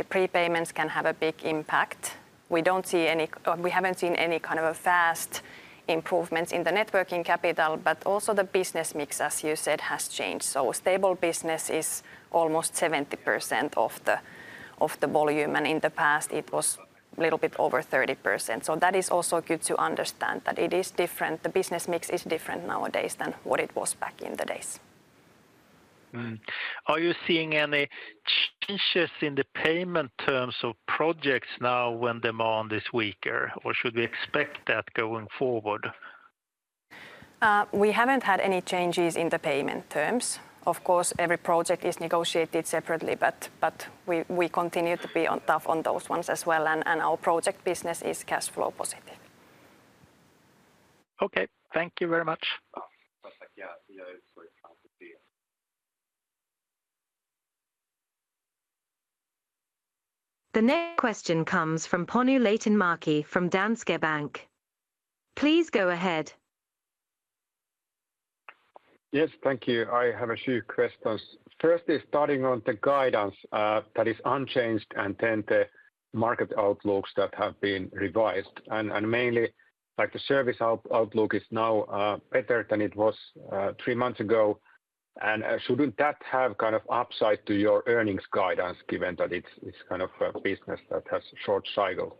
pre-payments can have a big impact. We don't see any; we haven't seen any kind of a vast improvements in the net working capital but also the business mix as you said has changed. So Stable business is almost 70% of the volume and in the past it was a little bit over 30%. So that is also good to understand that it is different. The business mix is different nowadays than what it was back in the days. Are you seeing any changes in the payment terms of projects now when demand is weaker or should we expect that going forward? We haven't had any changes in the payment terms. Of course every project is negotiated separately but we continue to be tough on those ones as well and our project business is cash flow positive. Okay. Thank you very much. The next question comes from Panu Laitinmäki from Danske Bank. Please go ahead. Yes thank you. I have a few questions. First, starting on the guidance that is unchanged and then the market outlooks that have been revised and mainly like the service outlook is now better than it was three months ago and shouldn't that have kind of upside to your earnings guidance given that it's kind of a business that has short cycle?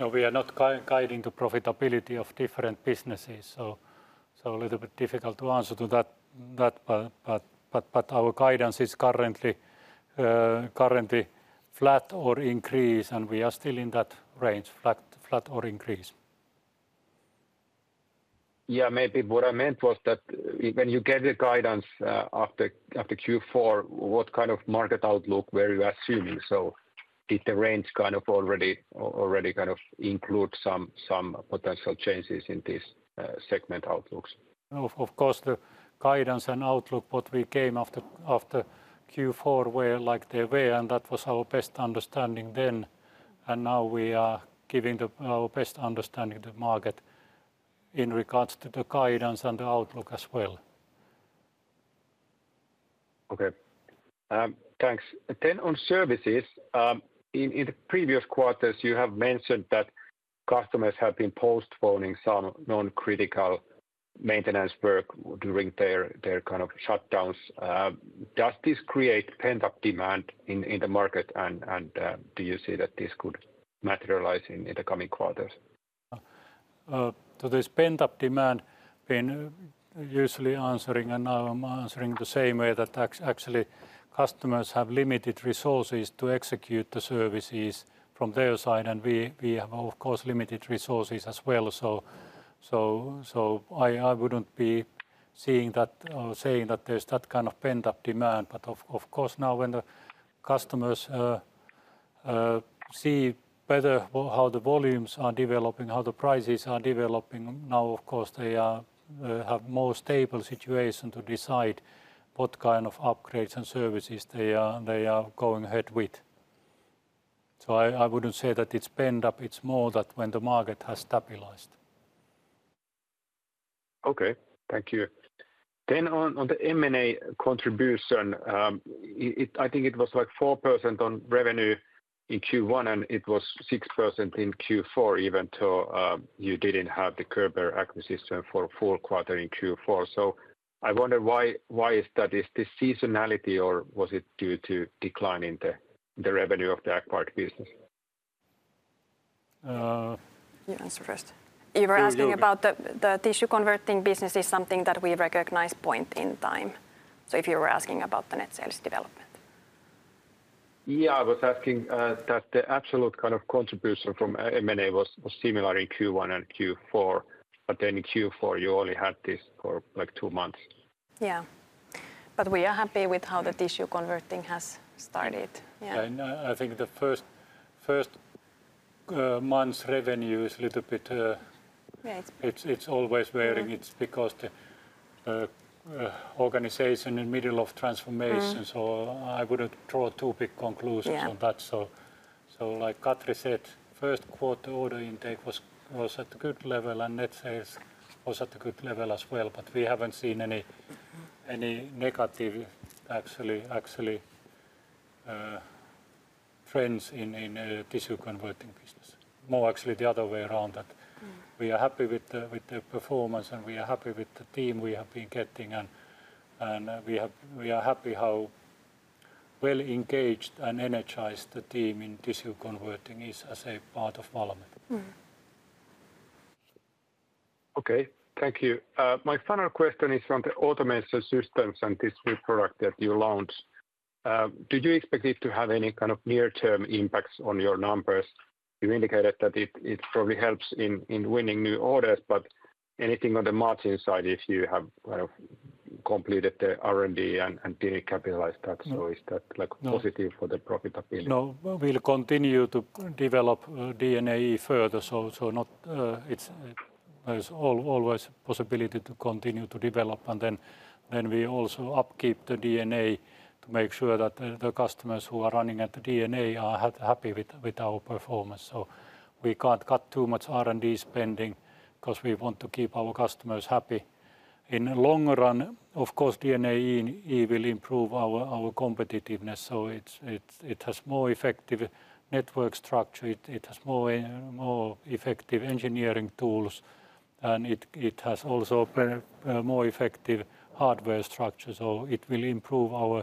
No, we are not guiding to profitability of different businesses so a little bit difficult to answer to that but our guidance is currently flat or increase and we are still in that range flat or increase. Yeah, maybe what I meant was that when you get the guidance after Q4 what kind of market outlook were you assuming? So did the range kind of already kind of include some potential changes in these segment outlooks? Of course the guidance and outlook what we came after Q4 were like they were and that was our best understanding then and now we are giving our best understanding to the market in regards to the guidance and the outlook as well. Okay. Thanks. Then on Services in the previous quarters you have mentioned that customers have been postponing some non-critical maintenance work during their kind of shutdowns. Does this create pent-up demand in the market and do you see that this could materialize in the coming quarters? So there's pent-up demand. Been usually answering and now I'm answering the same way that actually customers have limited resources to execute the services from their side and we have of course limited resources as well. So, I wouldn't be seeing that or saying that there's that kind of pent-up demand, but of course now when the customers see better how the volumes are developing, how the prices are developing, now of course they have more stable situation to decide what kind of upgrades and Services they are going ahead with. So, I wouldn't say that it's pent-up. It's more that when the market has stabilized. Okay. Thank you. Then, on the M&A contribution, I think it was like 4% on revenue in Q1, and it was 6% in Q4, even though you didn't have the Körber acquisition for full quarter in Q4. So, I wonder why is that? Is this seasonality, or was it due to decline in the revenue of the acquired business? You answer first. You were asking about the Tissue Converting business is something that we recognize point in time. So if you were asking about the net sales development. Yeah, I was asking that the absolute kind of contribution from M&A was similar in Q1 and Q4 but then in Q4 you only had this for like two months. Yeah, but we are happy with how the Tissue Converting has started. Yeah, I think the first month's revenue is a little bit... Yeah, it's always varying. It's because the organization in the middle of transformation so I wouldn't draw too big conclusions on that. So like Katri said, first quarter order intake was at a good level and net sales was at a good level as well but we haven't seen any negative actually trends in the Tissue Converting business. More, actually, the other way around, that we are happy with the performance and we are happy with the team we have been getting and we are happy how well engaged and energized the team in Tissue Converting is as a part of Valmet. Okay. Thank you. My final question is on the Automation Systems and this product that you launched. Do you expect it to have any kind of near-term impacts on your numbers? You indicated that it probably helps in winning new orders but anything on the margin side if you have kind of completed the R&D and didn't capitalize that so is that positive for the profitability? No, we'll continue to develop DNA further so not... There's always possibility to continue to develop and then we also upkeep the DNA to make sure that the customers who are running at the DNA are happy with our performance. So we can't cut too much R&D spending because we want to keep our customers happy. In the long run, of course, DNAe will improve our competitiveness so it has more effective network structure, it has more effective engineering tools, and it has also more effective hardware structure, so it will improve our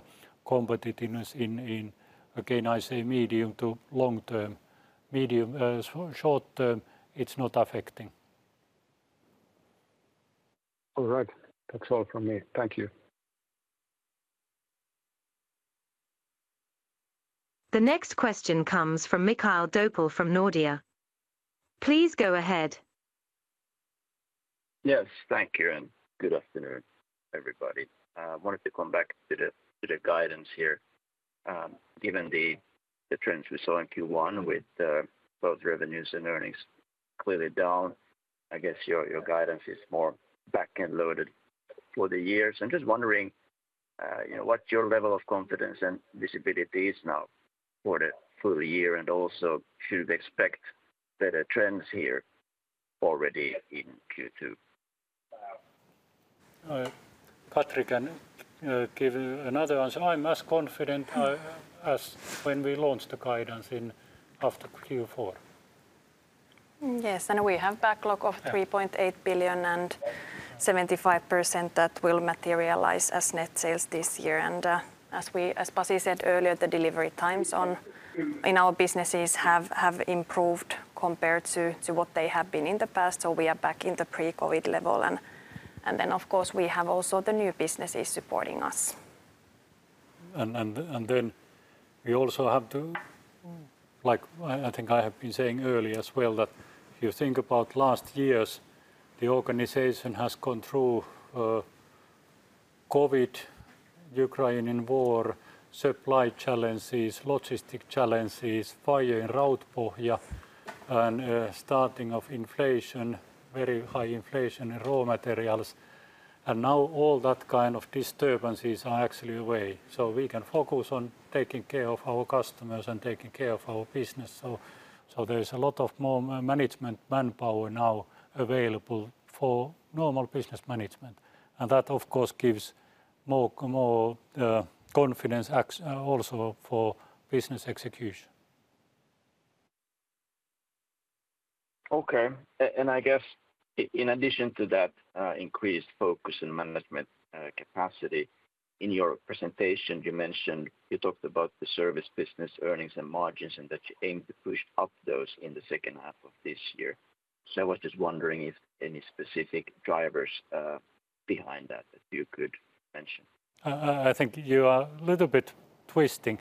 competitiveness in—again, I say—medium- to long-term. Medium- to short-term, it's not affecting. All right. That's all from me. Thank you. The next question comes from Mikael Doepel from Nordea. Please go ahead. Yes, thank you, and good afternoon, everybody. I wanted to come back to the guidance here. Given the trends we saw in Q1 with both revenues and earnings clearly down, I guess your guidance is more backend loaded for the years and just wondering what your level of confidence and visibility is now for the full year and also should we expect better trends here already in Q2? Katri can give another answer. I'm as confident as when we launched the guidance in after Q4. Yes and we have backlog of 3.8 billion and 75% that will materialize as net sales this year and as Pasi said earlier the delivery times on in our businesses have improved compared to what they have been in the past so we are back in the pre-COVID level and then of course we have also the new businesses supporting us. And then we also have to, like I think I have been saying earlier as well that if you think about last years the organization has gone through COVID, Ukraine in war, supply challenges, logistic challenges, fire in Rautpohja and starting of inflation, very high inflation in raw materials and now all that kind of disturbances are actually away. So we can focus on taking care of our customers and taking care of our business. So there's a lot of more management manpower now available for normal business management and that of course gives more more confidence also for business execution. Okay. And I guess in addition to that increased focus and management capacity in your presentation you mentioned you talked about the Service business earnings and margins and that you aim to push up those in the second half of this year. So I was just wondering if any specific drivers behind that that you could mention. I think you are a little bit twisting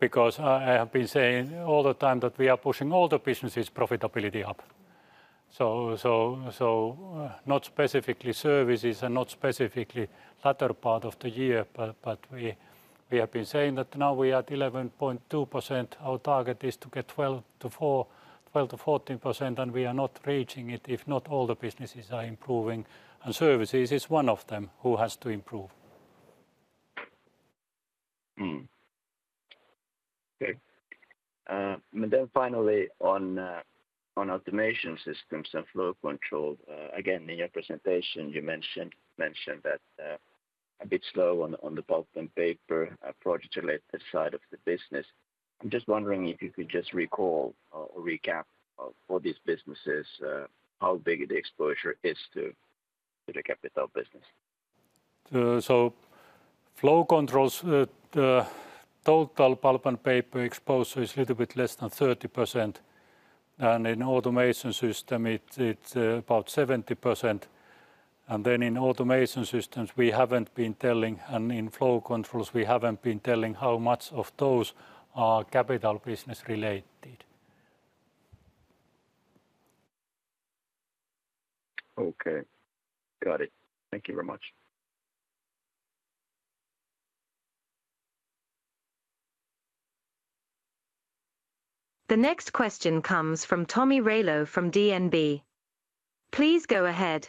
because I have been saying all the time that we are pushing all the businesses profitability up. So not specifically Services and not specifically latter part of the year but we have been saying that now we are at 11.2%; our target is to get 12%-14% and we are not reaching it if not all the businesses are improving and Services is one of them who has to improve. Okay. And then finally on Automation Systems and Flow Control again in your presentation you mentioned that a bit slow on the Pulp and Paper project-related side of the business. I'm just wondering if you could just recall or recap for these businesses how big the exposure is to the Capital business. So Flow Controls total Pulp and Paper exposure is a little bit less than 30% and in Automation System it's about 70% and then in Automation Systems we haven't been telling and in Flow Controls we haven't been telling how much of those are Capital business related. Okay. Got it. Thank you very much. The next question comes from Tomi Railo from DNB. Please go ahead.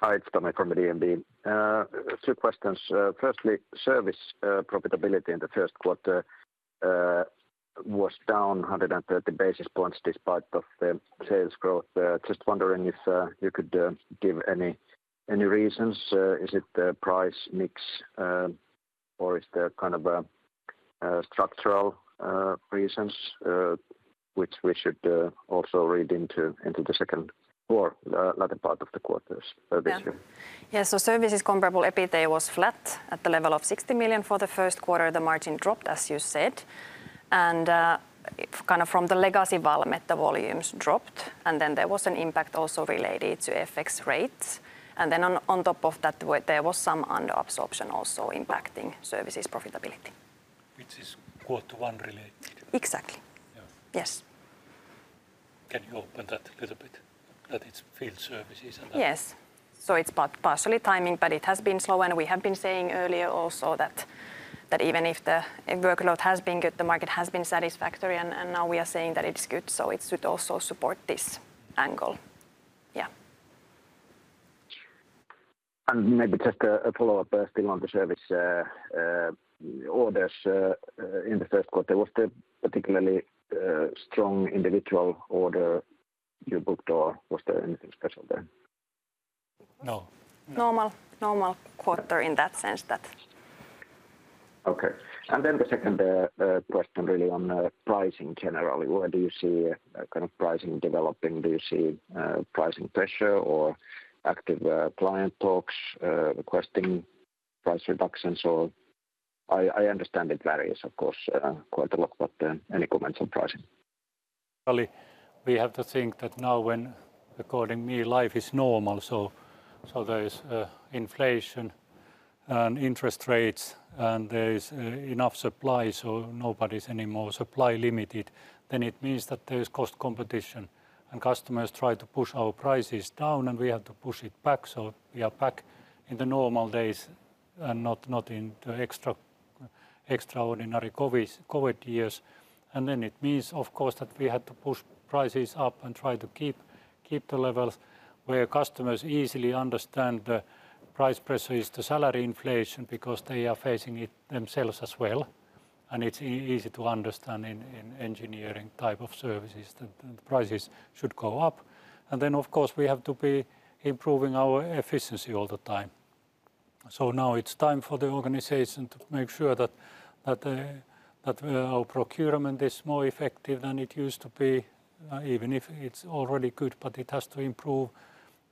Hi, it's Tomi from the DNB. Two questions. Firstly, Service profitability in the first quarter was down 130 basis points despite of the sales growth. Just wondering if you could give any reasons. Is it the price mix or is there kind of structural reasons which we should also read into the second or latter part of the quarters this year? Yeah, so Services comparable EBITDA was flat at the level of 60 million for the first quarter. The margin dropped as you said, and kind of from the legacy Valmet the volumes dropped, and then there was an impact also related to FX rates, and then on top of that there was some underabsorption also impacting Services profitability. Which is quarter one related? Exactly. Yes. Can you open that a little bit? That it's field services and that. Yes. So it's partially timing, but it has been slow, and we have been saying earlier also that even if the workload has been good the market has been satisfactory, and now we are saying that it's good so it should also support this angle. Yeah. And maybe just a follow-up still on the Service orders in the first quarter. Was there particularly strong individual order you booked or was there anything special there? No. Normal quarter in that sense that. Okay. And then the second question really on pricing generally. Where do you see kind of pricing developing? Do you see pricing pressure or active client talks requesting price reductions or...? I understand it varies of course quite a lot but any comments on pricing? All we have to think that now when according to me life is normal so there is inflation and interest rates and there is enough supply so nobody's anymore supply limited then it means that there is cost competition and customers try to push our prices down and we have to push it back so we are back in the normal days and not in the extraordinary COVID years and then it means of course that we had to push prices up and try to keep the levels where customers easily understand the price pressure is the salary inflation because they are facing it themselves as well and it's easy to understand in engineering type of Services that the prices should go up and then of course we have to be improving our efficiency all the time. So now it's time for the organization to make sure that that our procurement is more effective than it used to be even if it's already good but it has to improve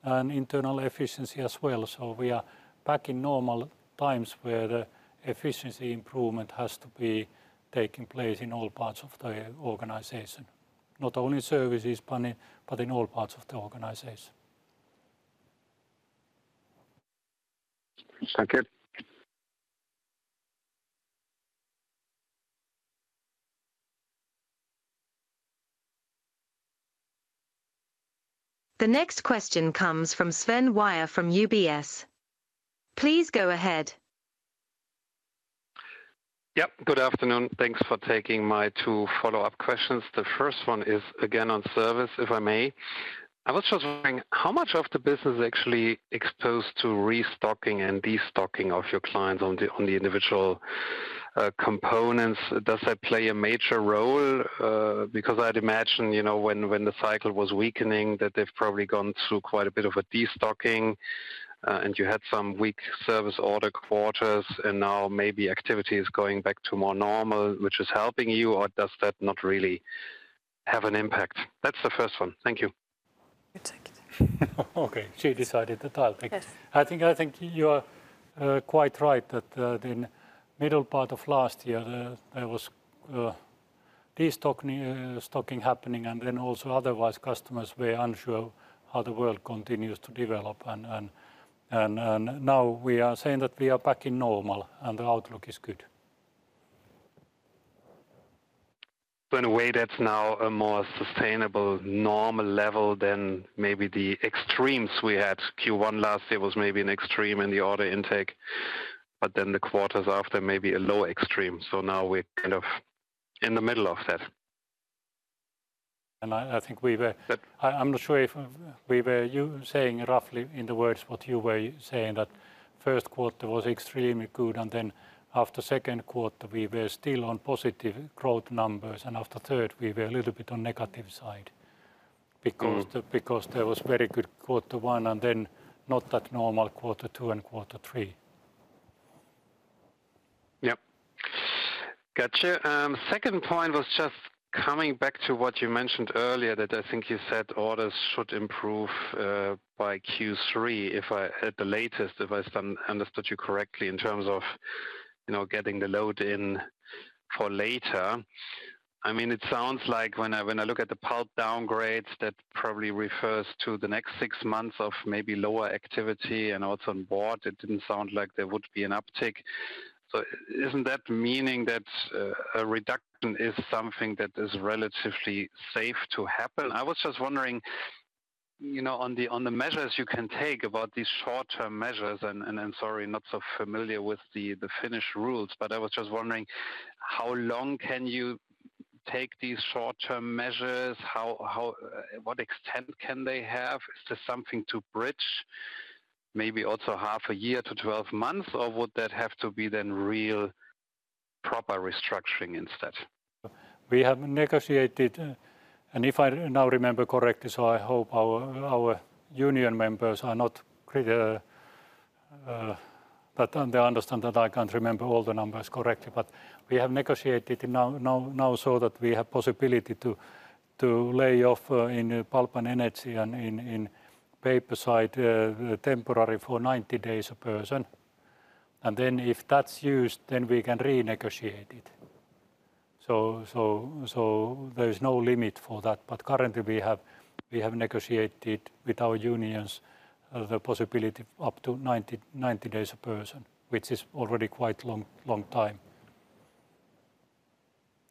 an internal efficiency as well so we are back in normal times where the efficiency improvement has to be taking place in all parts of the organization. Not only Services but in all parts of the organization. Thanks. The next question comes from Sven Weier from UBS. Please go ahead. Yep good afternoon. Thanks for taking my two follow-up questions. The first one is again on Services if I may. I was just wondering how much of the business is actually exposed to restocking and destocking of your clients on the individual components? Does that play a major role? Because I'd imagine when the cycle was weakening that they've probably gone through quite a bit of a destocking and you had some weak Service order quarters and now maybe activity is going back to more normal which is helping you or does that not really have an impact? That's the first one. Thank you. Thank you. I think you are quite right that in middle part of last year there was destocking happening and then also otherwise customers were unsure how the world continues to develop and now we are saying that we are back in normal and the outlook is good. So in a way that's now a more sustainable normal level than maybe the extremes we had. Q1 last year was maybe an extreme in the order intake, but then the quarters after maybe a low extreme, so now we're kind of in the middle of that. And I think we were... I'm not sure if we were saying roughly in the words what you were saying that first quarter was extremely good and then after second quarter we were still on positive growth numbers and after third we were a little bit on negative side because there was very good quarter one and then not that normal quarter two and quarter three. Yep. Gotcha. Second point was just coming back to what you mentioned earlier that I think you said orders should improve by Q3 at the latest if I understood you correctly in terms of getting the load in for later. I mean, it sounds like when I look at the Pulp downgrades that probably refers to the next six months of maybe lower activity and also on board it didn't sound like there would be an uptick. So isn't that meaning that a reduction is something that is relatively safe to happen? I was just wondering on the measures you can take about these short-term measures and I'm sorry not so familiar with the Finnish rules but I was just wondering how long can you take these short-term measures? What extent can they have? Is this something to bridge maybe also half a year to 12 months or would that have to be then real proper restructuring instead? We have negotiated and if I now remember correctly so I hope our union members are not... But they understand that I can't remember all the numbers correctly, but we have negotiated now so that we have possibility to lay off in Pulp and Energy and in Paper side temporary for 90 days a person, and then if that's used then we can renegotiate it. There is no limit for that, but currently we have negotiated with our unions the possibility up to 90 days a person, which is already quite long time.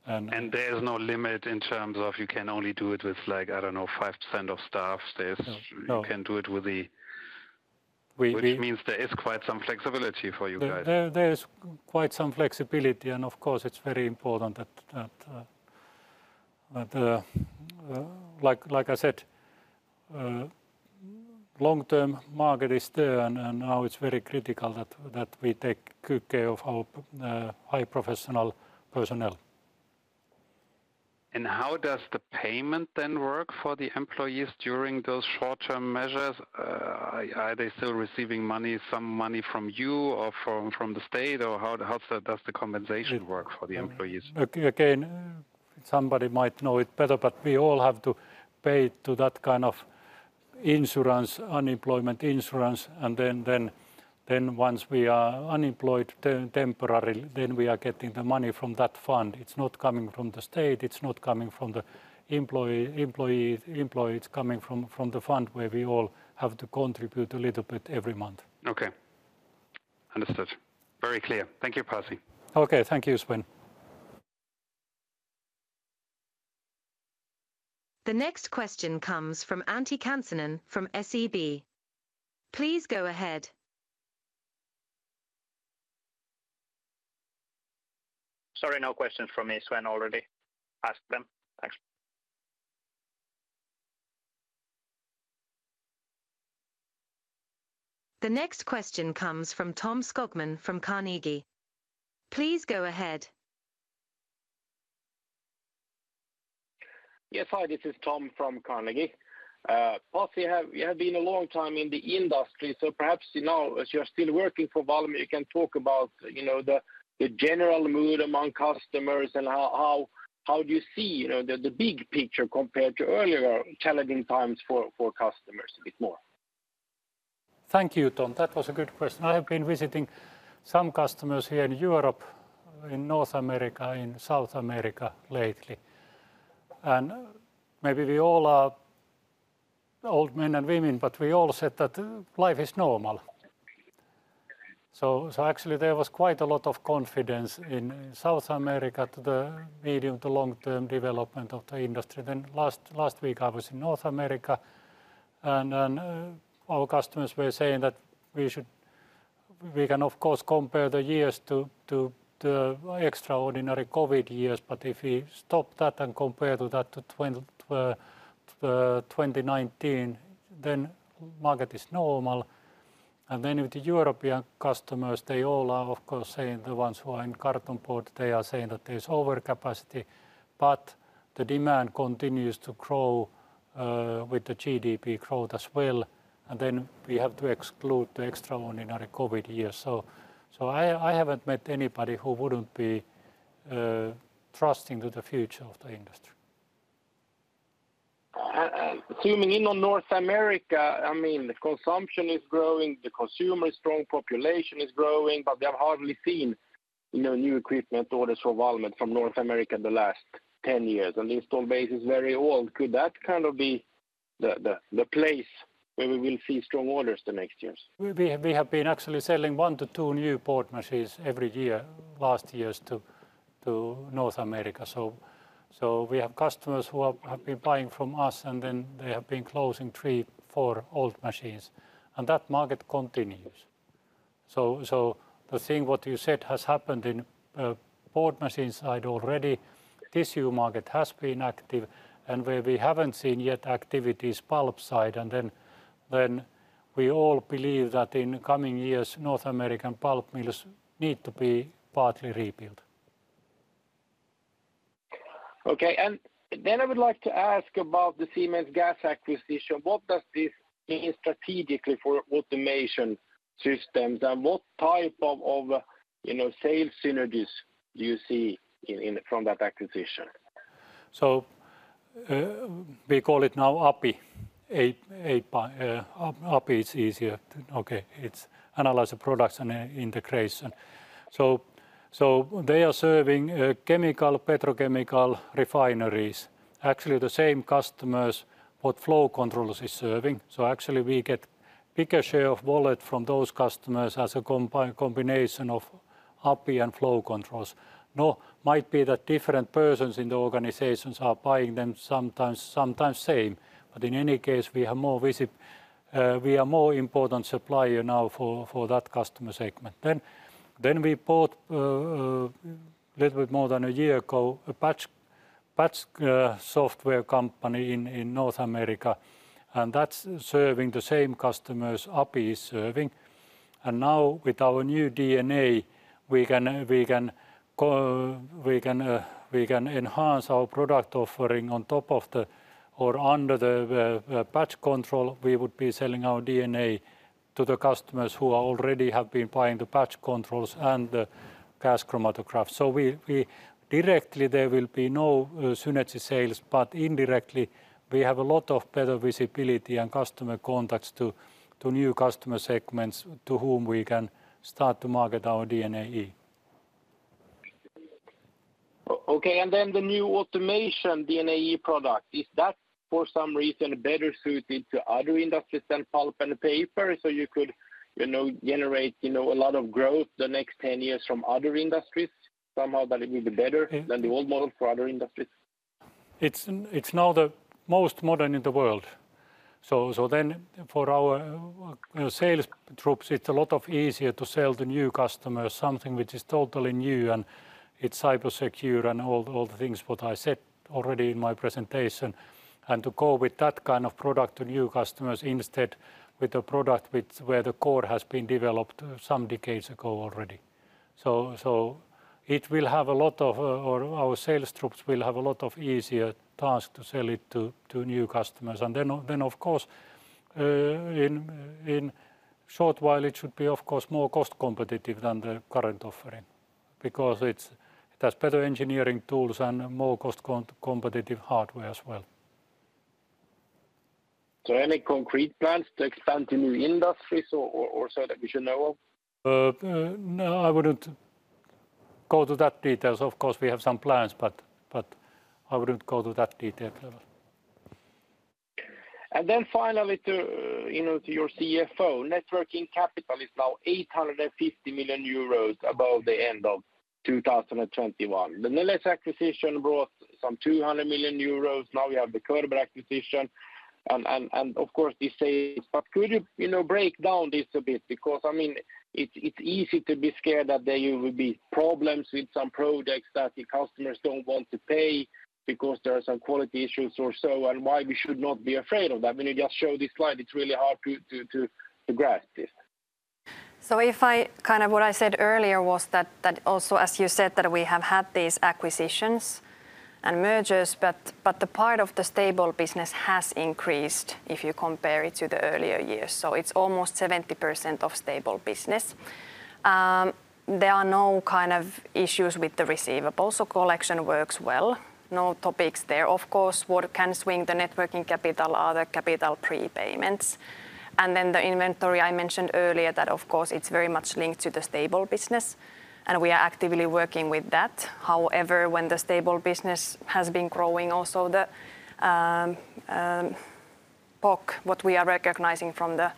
There's no limit in terms of you can only do it with I don't know 5% of staff. You can do it with the... Which means there is quite some flexibility for you guys. There is quite some flexibility, and of course it's very important that... Like I said, long-term market is there, and now it's very critical that we take good care of our high professional personnel. And how does the payment then work for the employees during those short-term measures? Are they still receiving money some money from you or from the state or how does the compensation work for the employees? Again somebody might know it better but we all have to pay to that kind of insurance unemployment insurance and then once we are unemployed temporarily then we are getting the money from that fund. It's not coming from the state it's not coming from the employee. It's coming from the fund where we all have to contribute a little bit every month. Okay. Understood. Very clear. Thank you Pasi. Okay thank you Sven. The next question comes from Antti Kansanen from SEB. Please go ahead. Sorry no questions from me Sven already. Ask them. Thanks. The next question comes from Tom Skogman from Carnegie. Please go ahead. Yes, hi. This is Tom from Carnegie. Pasi, you have been a long time in the industry, so perhaps now as you're still working for Valmet, you can talk about the general mood among customers and how do you see the big picture compared to earlier challenging times for customers a bit more. Thank you, Tom. That was a good question. I have been visiting some customers here in Europe, in North America, in South America lately. And maybe we all are old men and women, but we all said that life is normal. So actually there was quite a lot of confidence in South America to the medium to long-term development of the industry. Then last week I was in North America. And our customers were saying that we should... We can of course compare the years to the extraordinary COVID years, but if we stop that and compare to that to 2019, then market is normal. Then with the European customers, they all are of course saying the ones who are in carton board they are saying that there is overcapacity, but the demand continues to grow with the GDP growth as well, and then we have to exclude the extraordinary COVID years, so I haven't met anybody who wouldn't be trusting to the future of the industry. Zooming in on North America, I mean, the consumption is growing, the consumer is strong, population is growing, but we have hardly seen new equipment orders for Valmet from North America the last 10 years, and the install base is very old. Could that kind of be the place where we will see strong orders the next years? We have been actually selling 1-2 new Board machines every year last years to North America so we have customers who have been buying from us and then they have been closing 3-4 old machines and that market continues. So the thing what you said has happened in Board machine side already. Tissue market has been active and where we haven't seen yet activity is pulp side and then we all believe that in coming years North American pulp mills need to be partly rebuilt. Okay and then I would like to ask about the Siemens gas acquisition. What does this mean strategically for Automation Systems and what type of sales synergies do you see from that acquisition? So we call it now API. API is easier. Okay it's Analyzer Products and Integration. So they are serving chemical petrochemical refineries. Actually the same customers what Flow Controls is serving so actually we get bigger share of wallet from those customers as a combination of API and Flow Controls. Now might be that different persons in the organizations are buying them sometimes same but in any case we have more visits... We are more important supplier now for that customer segment. Then we bought a little bit more than a year ago a batch software company in North America and that's serving the same customers API is serving. And now with our new DNA we can enhance our product offering on top of the or under the batch control we would be selling our DNA to the customers who already have been buying the batch controls and the gas chromatograph. So directly there will be no synergy sales but indirectly we have a lot of better visibility and customer contacts to new customer segments to whom we can start to market our DNAe. Okay and then the new Automation DNAe product is that for some reason better suited to other industries than Pulp and Paper so you could generate a lot of growth the next 10 years from other industries somehow that it would be better than the old model for other industries? It's now the most modern in the world. So then for our sales troops it's a lot easier to sell to new customers something which is totally new and it's cybersecure and all the things what I said already in my presentation and to go with that kind of product to new customers instead with a product where the core has been developed some decades ago already. So it will have a lot of... Or our sales troops will have a lot easier task to sell it to new customers and then of course in short while it should be of course more cost competitive than the current offering because it has better engineering tools and more cost competitive hardware as well. So any concrete plans to expand to new industries or so that we should know of? No I wouldn't go to that details. Of course we have some plans but I wouldn't go to that detailed level. And then finally to your CFO, net working capital is now 850 million euros above the end of 2021. The Neles acquisition brought some 200 million euros. Now we have the Körber acquisition and of course these sales but could you break down this a bit because I mean it's easy to be scared that there will be problems with some products that customers don't want to pay because there are some quality issues or so and why we should not be afraid of that. When you just show this slide it's really hard to grasp this. So if I kind of what I said earlier was that also as you said that we have had these acquisitions and mergers but the part of the Stable business has increased if you compare it to the earlier years so it's almost 70% of Stable business. There are no kind of issues with the receivables so collection works well. No topics there of course what can swing the net working capital are the customer pre-payments and then the inventory I mentioned earlier that of course it's very much linked to the Stable business and we are actively working with that. However when the Stable business has been growing also the POC what we are recognizing from the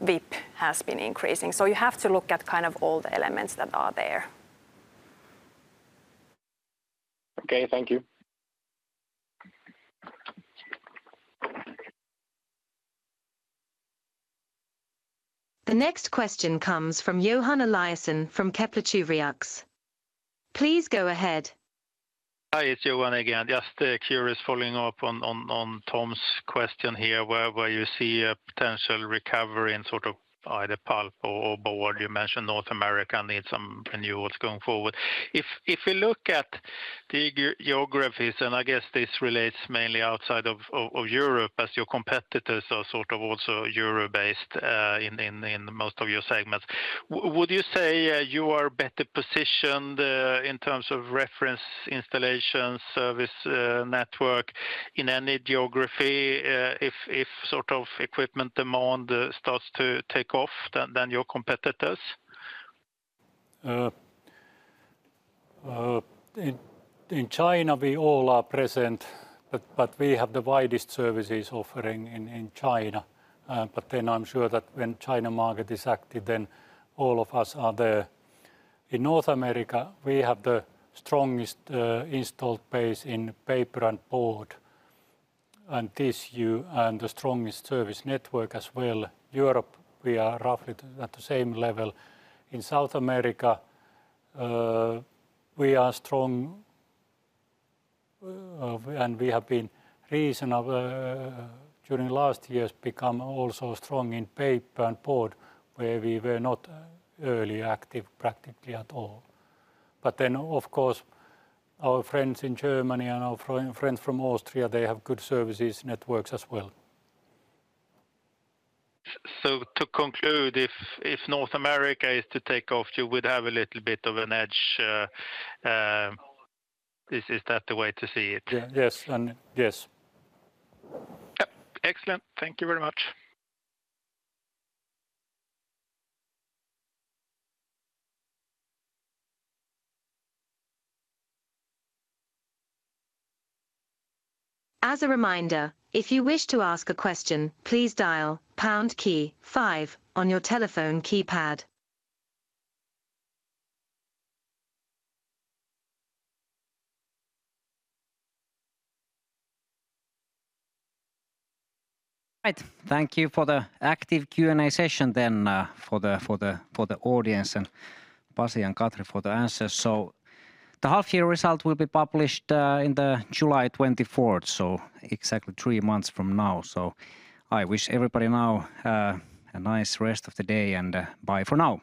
WIP has been increasing so you have to look at kind of all the elements that are there. Okay thank you. The next question comes from Johan Eliason from Kepler Cheuvreux. Please go ahead. Hi, it's Johan again. Just curious, following up on Tom's question here where you see a potential recovery in sort of either pulp or board. You mentioned North America needs some renewals going forward. If we look at the geographies and I guess this relates mainly outside of Europe as your competitors are sort of also Euro based in most of your segments, would you say you are better positioned in terms of reference installation service network in any geography if sort of equipment demand starts to take off than your competitors? In China we all are present but we have the widest Services offering in China but then I'm sure that when China market is active then all of us are there. In North America we have the strongest installed base in Paper and Board and Tissue and the strongest Service network as well. Europe, we are roughly at the same level. In South America, we are strong, and we have been reasonably during last years become also strong in Paper and Board where we were not early active practically at all. But then, of course, our friends in Germany and our friends from Austria, they have good Services networks as well. So, to conclude, if North America is to take off, you would have a little bit of an edge. Is that the way to see it? Yes and yes. Excellent. Thank you very much. As a reminder, if you wish to ask a question, please dial pound key five on your telephone keypad. Right, thank you for the active Q&A session then for the audience and Pasi and Katri for the answers. So, the half year result will be published in July 24th, 2024, so exactly three months from now. I wish everybody now a nice rest of the day and bye for now.